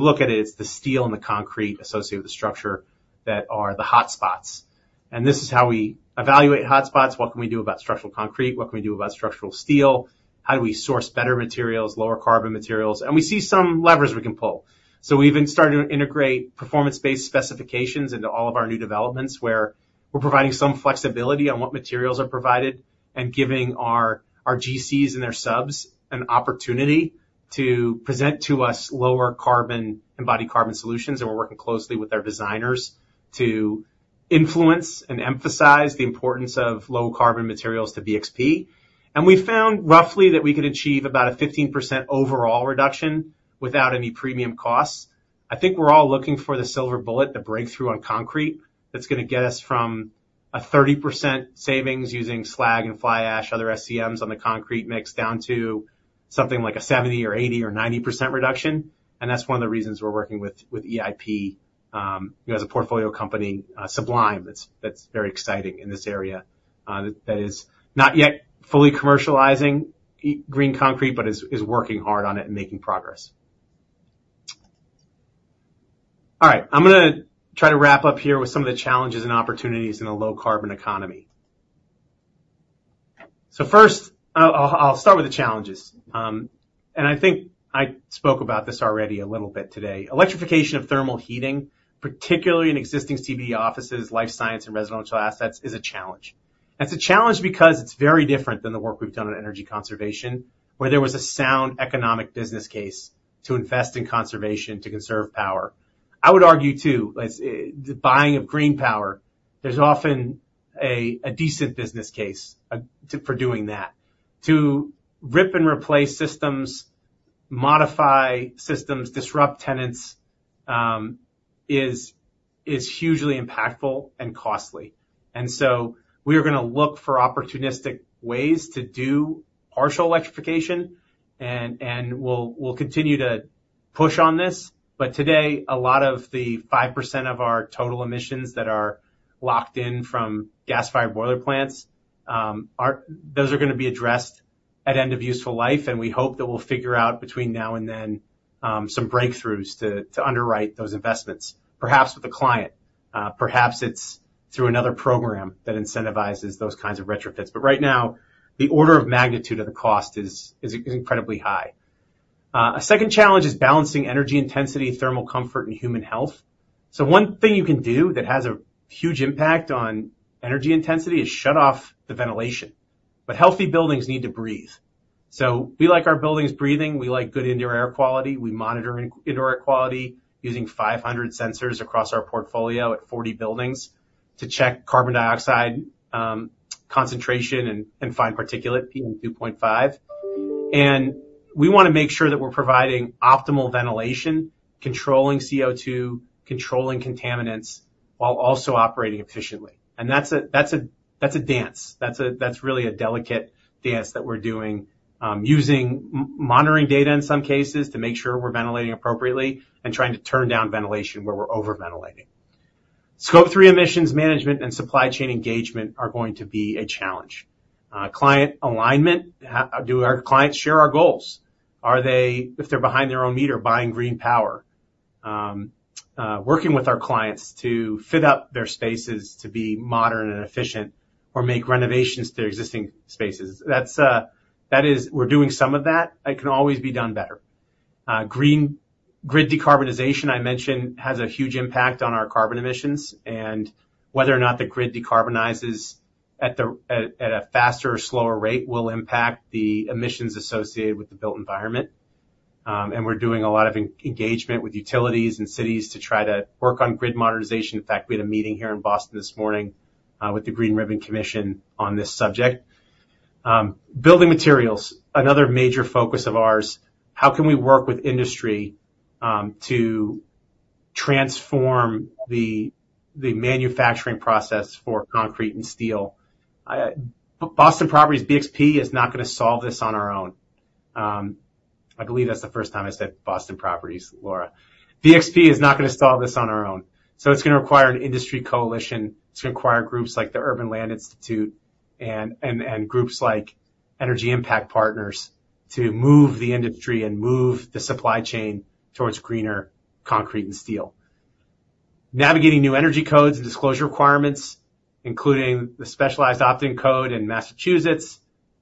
look at it, it's the steel and the concrete associated with the structure that are the hot spots. And this is how we evaluate hot spots. What can we do about structural concrete? What can we do about structural steel? How do we source better materials, lower carbon materials? And we see some levers we can pull. So we've been starting to integrate performance-based specifications into all of our new developments, where we're providing some flexibility on what materials are provided, and giving our, our GCs and their subs an opportunity to present to us lower carbon, embodied carbon solutions. And we're working closely with our designers to influence and emphasize the importance of low carbon materials to BXP. And we found, roughly, that we could achieve about a 15% overall reduction without any premium costs. I think we're all looking for the silver bullet, the breakthrough on concrete, that's going to get us from a 30% savings using slag and fly ash, other SCMs on the concrete mix, down to something like a 70% or 80% or 90% reduction, and that's one of the reasons we're working with EIP, who has a portfolio company, Sublime, that's very exciting in this area, that is not yet fully commercializing green concrete, but is working hard on it and making progress. All right, I'm gonna try to wrap up here with some of the challenges and opportunities in a low carbon economy. So first, I'll start with the challenges, and I think I spoke about this already a little bit today. Electrification of thermal heating, particularly in existing CB offices, life science and residential assets, is a challenge. It's a challenge because it's very different than the work we've done on energy conservation, where there was a sound economic business case to invest in conservation, to conserve power. I would argue, too, as the buying of green power, there's often a decent business case to for doing that. To rip and replace systems, modify systems, disrupt tenants is hugely impactful and costly. And so we are going to look for opportunistic ways to do partial electrification, and we'll continue to push on this. But today, a lot of the 5% of our total emissions that are locked in from gas-fired boiler plants are... Those are going to be addressed at end of useful life, and we hope that we'll figure out, between now and then, some breakthroughs to underwrite those investments, perhaps with a client. Perhaps it's through another program that incentivizes those kinds of retrofits. But right now, the order of magnitude of the cost is incredibly high. A second challenge is balancing energy intensity, thermal comfort, and human health. So one thing you can do that has a huge impact on energy intensity is shut off the ventilation, but healthy buildings need to breathe. So we like our buildings breathing. We like good indoor air quality. We monitor indoor air quality using 500 sensors across our portfolio at 40 buildings to check carbon dioxide concentration and fine particulate, PM2.5. We want to make sure that we're providing optimal ventilation, controlling CO2, controlling contaminants, while also operating efficiently. And that's a dance. That's really a delicate dance that we're doing, using monitoring data in some cases, to make sure we're ventilating appropriately and trying to turn down ventilation where we're over-ventilating. Scope 3 emissions management and supply chain engagement are going to be a challenge. Client alignment. Do our clients share our goals? Are they, if they're behind their own meter, buying green power? Working with our clients to fit out their spaces to be modern and efficient or make renovations to their existing spaces, that's that is... We're doing some of that. It can always be done better. Green grid decarbonization, I mentioned, has a huge impact on our carbon emissions, and whether or not the grid decarbonizes at a faster or slower rate, will impact the emissions associated with the built environment. And we're doing a lot of engagement with utilities and cities to try to work on grid modernization. In fact, we had a meeting here in Boston this morning with the Green Ribbon Commission on this subject. Building materials, another major focus of ours. How can we work with industry to transform the manufacturing process for concrete and steel? I... Boston Properties, BXP, is not going to solve this on our own.... I believe that's the first time I said Boston Properties, Laura. BXP is not gonna solve this on our own, so it's gonna require an industry coalition. It's gonna require groups like the Urban Land Institute and groups like Energy Impact Partners, to move the industry and move the supply chain towards greener concrete and steel. Navigating new energy codes and disclosure requirements, including the specialized opt-in code in Massachusetts,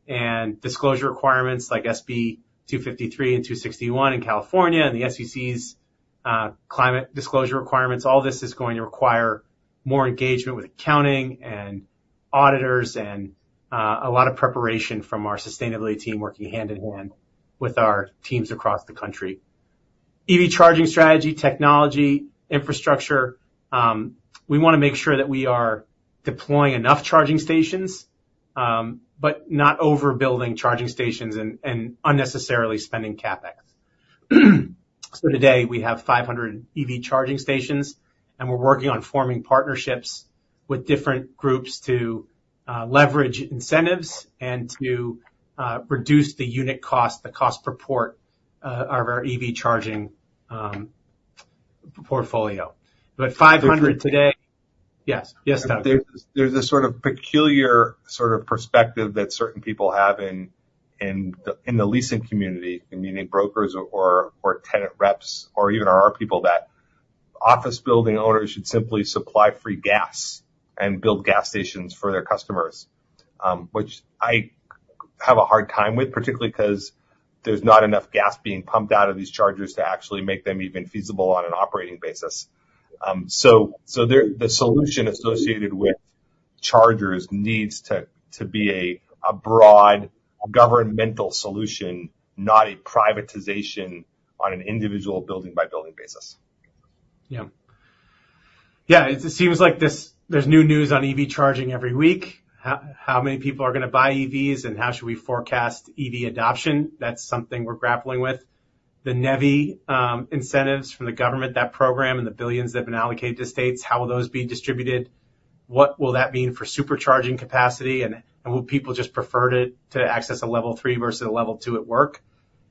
and disclosure requirements like SB 253 and 261 in California, and the SEC's climate disclosure requirements. All this is going to require more engagement with accounting and auditors, and a lot of preparation from our sustainability team, working hand in hand with our teams across the country. EV charging strategy, technology, infrastructure. We wanna make sure that we are deploying enough charging stations, but not overbuilding charging stations and unnecessarily spending CapEx. So today, we have 500 EV charging stations, and we're working on forming partnerships with different groups to leverage incentives and to reduce the unit cost, the cost per port, of our EV charging portfolio. But 500 today— Yes, yes, Doug? There's a sort of peculiar sort of perspective that certain people have in the leasing community, and you mean brokers or tenant reps, or even our people, that office building owners should simply supply free gas and build gas stations for their customers. Which I have a hard time with, particularly 'cause there's not enough gas being pumped out of these chargers to actually make them even feasible on an operating basis. So there— the solution associated with chargers needs to be a broad governmental solution, not a privatization on an individual building by building basis. Yeah. Yeah, it seems like this, there's new news on EV charging every week. How many people are gonna buy EVs, and how should we forecast EV adoption? That's something we're grappling with. The NEVI incentives from the government, that program, and the billions that have been allocated to states, how will those be distributed? What will that mean for supercharging capacity, and will people just prefer to access a Level 3 versus a Level 2 at work?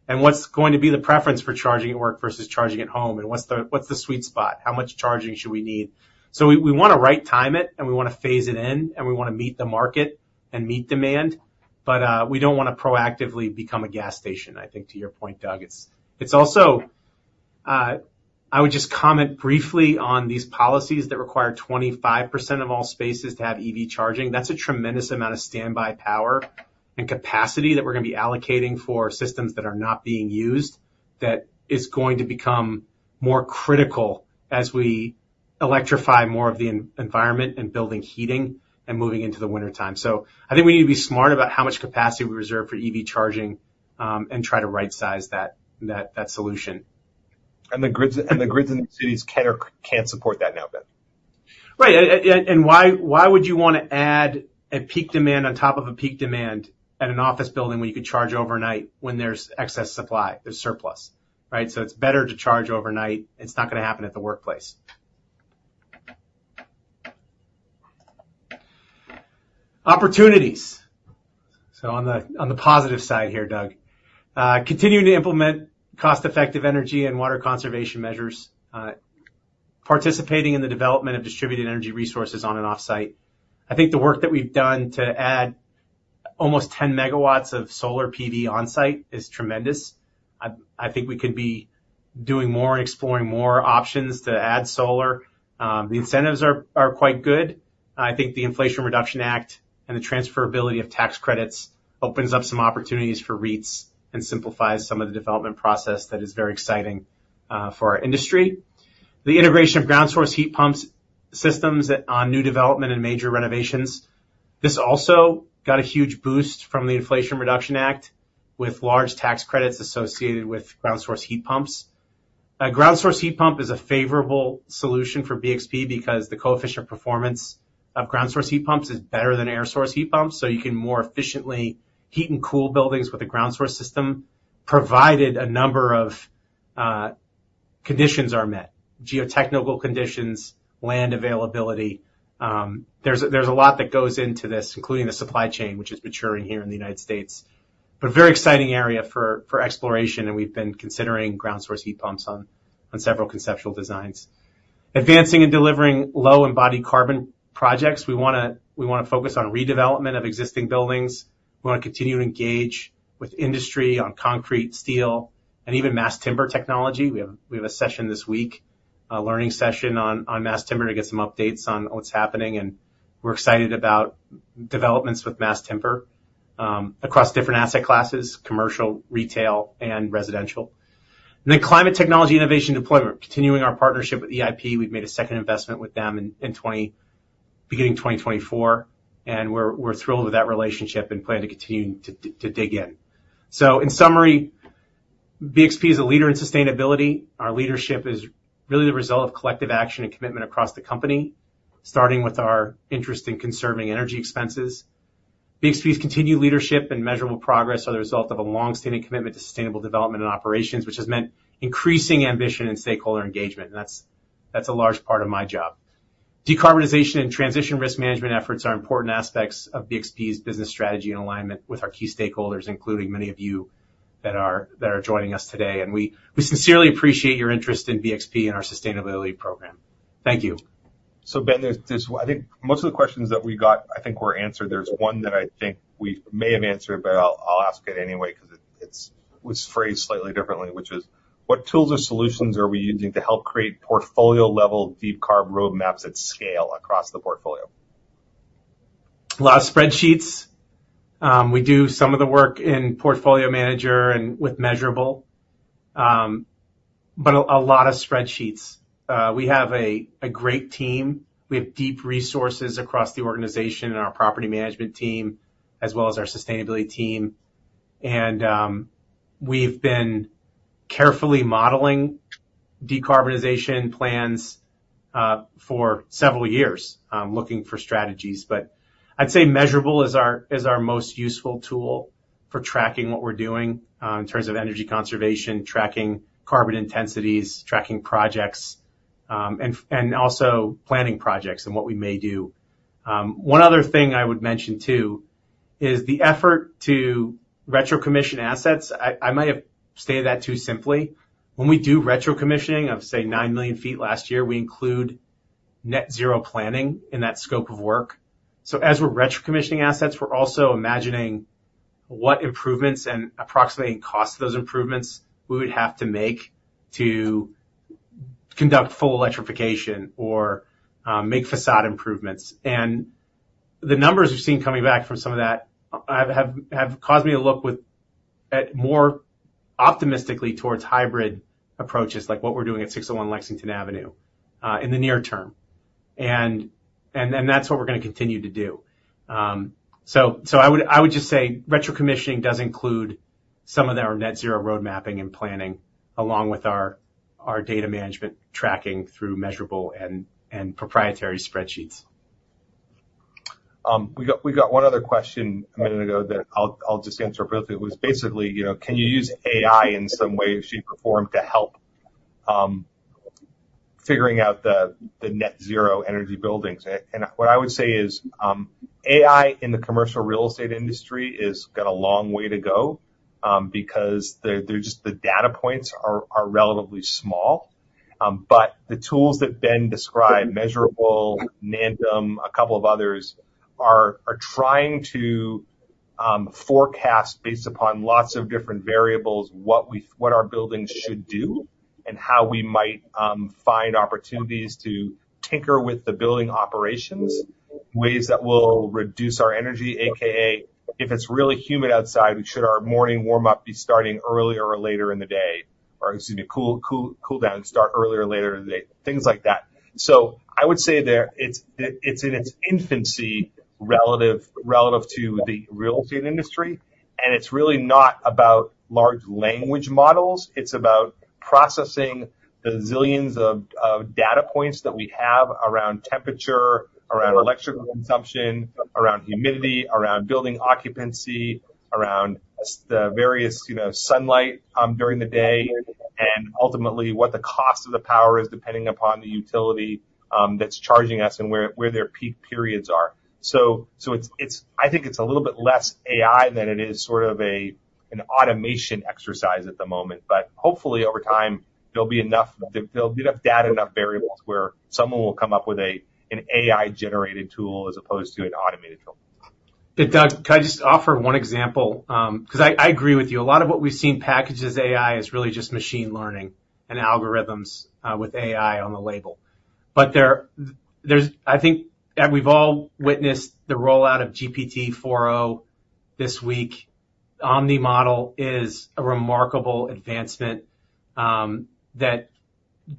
And what's going to be the preference for charging at work versus charging at home, and what's the sweet spot? How much charging should we need? So we wanna right time it, and we wanna phase it in, and we wanna meet the market and meet demand, but we don't wanna proactively become a gas station, I think, to your point, Doug. It's also. I would just comment briefly on these policies that require 25% of all spaces to have EV charging. That's a tremendous amount of standby power and capacity that we're gonna be allocating for systems that are not being used. That is going to become more critical as we electrify more of the environment and building heating and moving into the wintertime. So I think we need to be smart about how much capacity we reserve for EV charging, and try to rightsize that solution. The grids in the cities can support that now, Ben. Right. And why, why would you wanna add a peak demand on top of a peak demand at an office building, where you could charge overnight when there's excess supply, there's surplus, right? So it's better to charge overnight. It's not gonna happen at the workplace. Opportunities. So on the positive side here, Doug, continuing to implement cost-effective energy and water conservation measures. Participating in the development of distributed energy resources on and off site. I think the work that we've done to add almost 10 MW of solar PV on site is tremendous. I think we could be doing more and exploring more options to add solar. The incentives are quite good. I think the Inflation Reduction Act and the transferability of tax credits opens up some opportunities for REITs and simplifies some of the development process. That is very exciting for our industry. The integration of ground source heat pumps systems on new development and major renovations. This also got a huge boost from the Inflation Reduction Act, with large tax credits associated with ground source heat pumps. A ground source heat pump is a favorable solution for BXP because the coefficient of performance of ground source heat pumps is better than air source heat pumps, so you can more efficiently heat and cool buildings with a ground source system, provided a number of conditions are met: geotechnical conditions, land availability. There's a lot that goes into this, including the supply chain, which is maturing here in the United States. But a very exciting area for exploration, and we've been considering ground source heat pumps on several conceptual designs. Advancing and delivering low embodied carbon projects. We wanna, we wanna focus on redevelopment of existing buildings. We wanna continue to engage with industry on concrete, steel, and even mass timber technology. We have, we have a session this week, a learning session on, on mass timber, to get some updates on what's happening, and we're excited about developments with mass timber across different asset classes: commercial, retail, and residential. And then climate technology innovation deployment. Continuing our partnership with EIP, we've made a second investment with them in beginning of 2024, and we're, we're thrilled with that relationship and plan to continue to dig in. So in summary, BXP is a leader in sustainability. Our leadership is really the result of collective action and commitment across the company, starting with our interest in conserving energy expenses. BXP's continued leadership and measurable progress are the result of a long-standing commitment to sustainable development and operations, which has meant increasing ambition and stakeholder engagement, and that's a large part of my job. Decarbonization and transition risk management efforts are important aspects of BXP's business strategy and alignment with our key stakeholders, including many of you that are joining us today. We sincerely appreciate your interest in BXP and our sustainability program. Thank you. So Ben, there's—I think most of the questions that we got, I think, were answered. There's one that I think we may have answered, but I'll ask it anyway, 'cause it was phrased slightly differently, which is: What tools or solutions are we using to help create portfolio-level deep carbon roadmaps at scale across the portfolio? A lot of spreadsheets. We do some of the work in Portfolio Manager and with Measurabl, but a lot of spreadsheets. We have a great team. We have deep resources across the organization and our property management team, as well as our sustainability team. We've been carefully modeling decarbonization plans for several years, looking for strategies. But I'd say Measurabl is our most useful tool for tracking what we're doing in terms of energy conservation, tracking carbon intensities, tracking projects, and also planning projects and what we may do. One other thing I would mention, too, is the effort to retro-commission assets. I might have stated that too simply. When we do retro-commissioning of, say, 9 million sq ft last year, we include net zero planning in that scope of work. So as we're retro-commissioning assets, we're also imagining what improvements and approximating costs of those improvements we would have to make to conduct full electrification or make facade improvements. And the numbers we've seen coming back from some of that have caused me to look at more optimistically towards hybrid approaches, like what we're doing at 601 Lexington Avenue in the near term. And that's what we're gonna continue to do. So I would just say retro-commissioning does include some of our net zero road mapping and planning, along with our data management tracking through Measurabl and proprietary spreadsheets. We got one other question a minute ago that I'll just answer briefly. It was basically, you know, can you use AI in some way, shape, or form to help figuring out the net zero energy buildings? And what I would say is, AI in the commercial real estate industry has got a long way to go, because the data points are relatively small. But the tools that Ben described, Measurabl, Nantum, a couple of others, are trying to forecast based upon lots of different variables, what our buildings should do and how we might find opportunities to tinker with the building operations, ways that will reduce our energy, AKA, if it's really humid outside, should our morning warm-up be starting earlier or later in the day? Or, excuse me, cool, cool, cool down, start earlier or later in the day, things like that. So I would say that it's in its infancy, relative to the real estate industry, and it's really not about large language models. It's about processing the zillions of data points that we have around temperature, around electrical consumption, around humidity, around building occupancy, around the various, you know, sunlight during the day, and ultimately, what the cost of the power is, depending upon the utility that's charging us and where their peak periods are. So it's a little bit less AI than it is sort of an automation exercise at the moment. But hopefully, over time, there'll be enough, there'll be enough data, enough variables, where someone will come up with a, an AI-generated tool as opposed to an automated tool. Hey, Doug, can I just offer one example? 'Cause I agree with you. A lot of what we've seen packaged as AI is really just machine learning and algorithms with AI on the label. But there's—I think, and we've all witnessed the rollout of GPT-4o this week. Omni model is a remarkable advancement that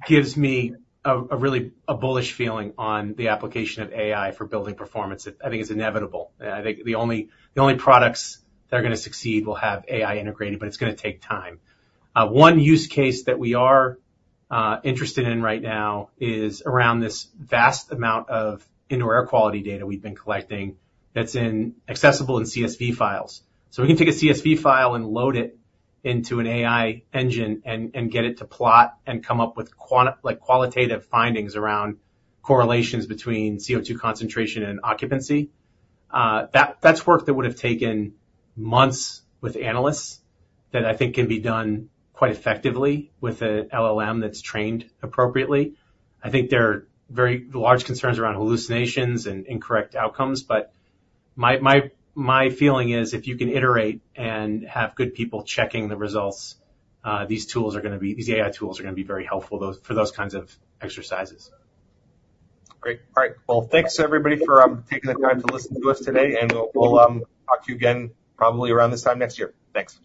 gives me a really bullish feeling on the application of AI for building performance. I think it's inevitable. I think the only products that are gonna succeed will have AI integrated, but it's gonna take time. One use case that we are interested in right now is around this vast amount of indoor air quality data we've been collecting that's accessible in CSV files. So we can take a CSV file and load it into an AI engine and get it to plot and come up with quan-- like, qualitative findings around correlations between CO2 concentration and occupancy. That, that's work that would have taken months with analysts, that I think can be done quite effectively with an LLM that's trained appropriately. I think there are very large concerns around hallucinations and incorrect outcomes, but my feeling is, if you can iterate and have good people checking the results, these tools are gonna be-- these AI tools are gonna be very helpful for those kinds of exercises. Great. All right. Well, thanks, everybody, for taking the time to listen to us today, and we'll talk to you again, probably around this time next year. Thanks.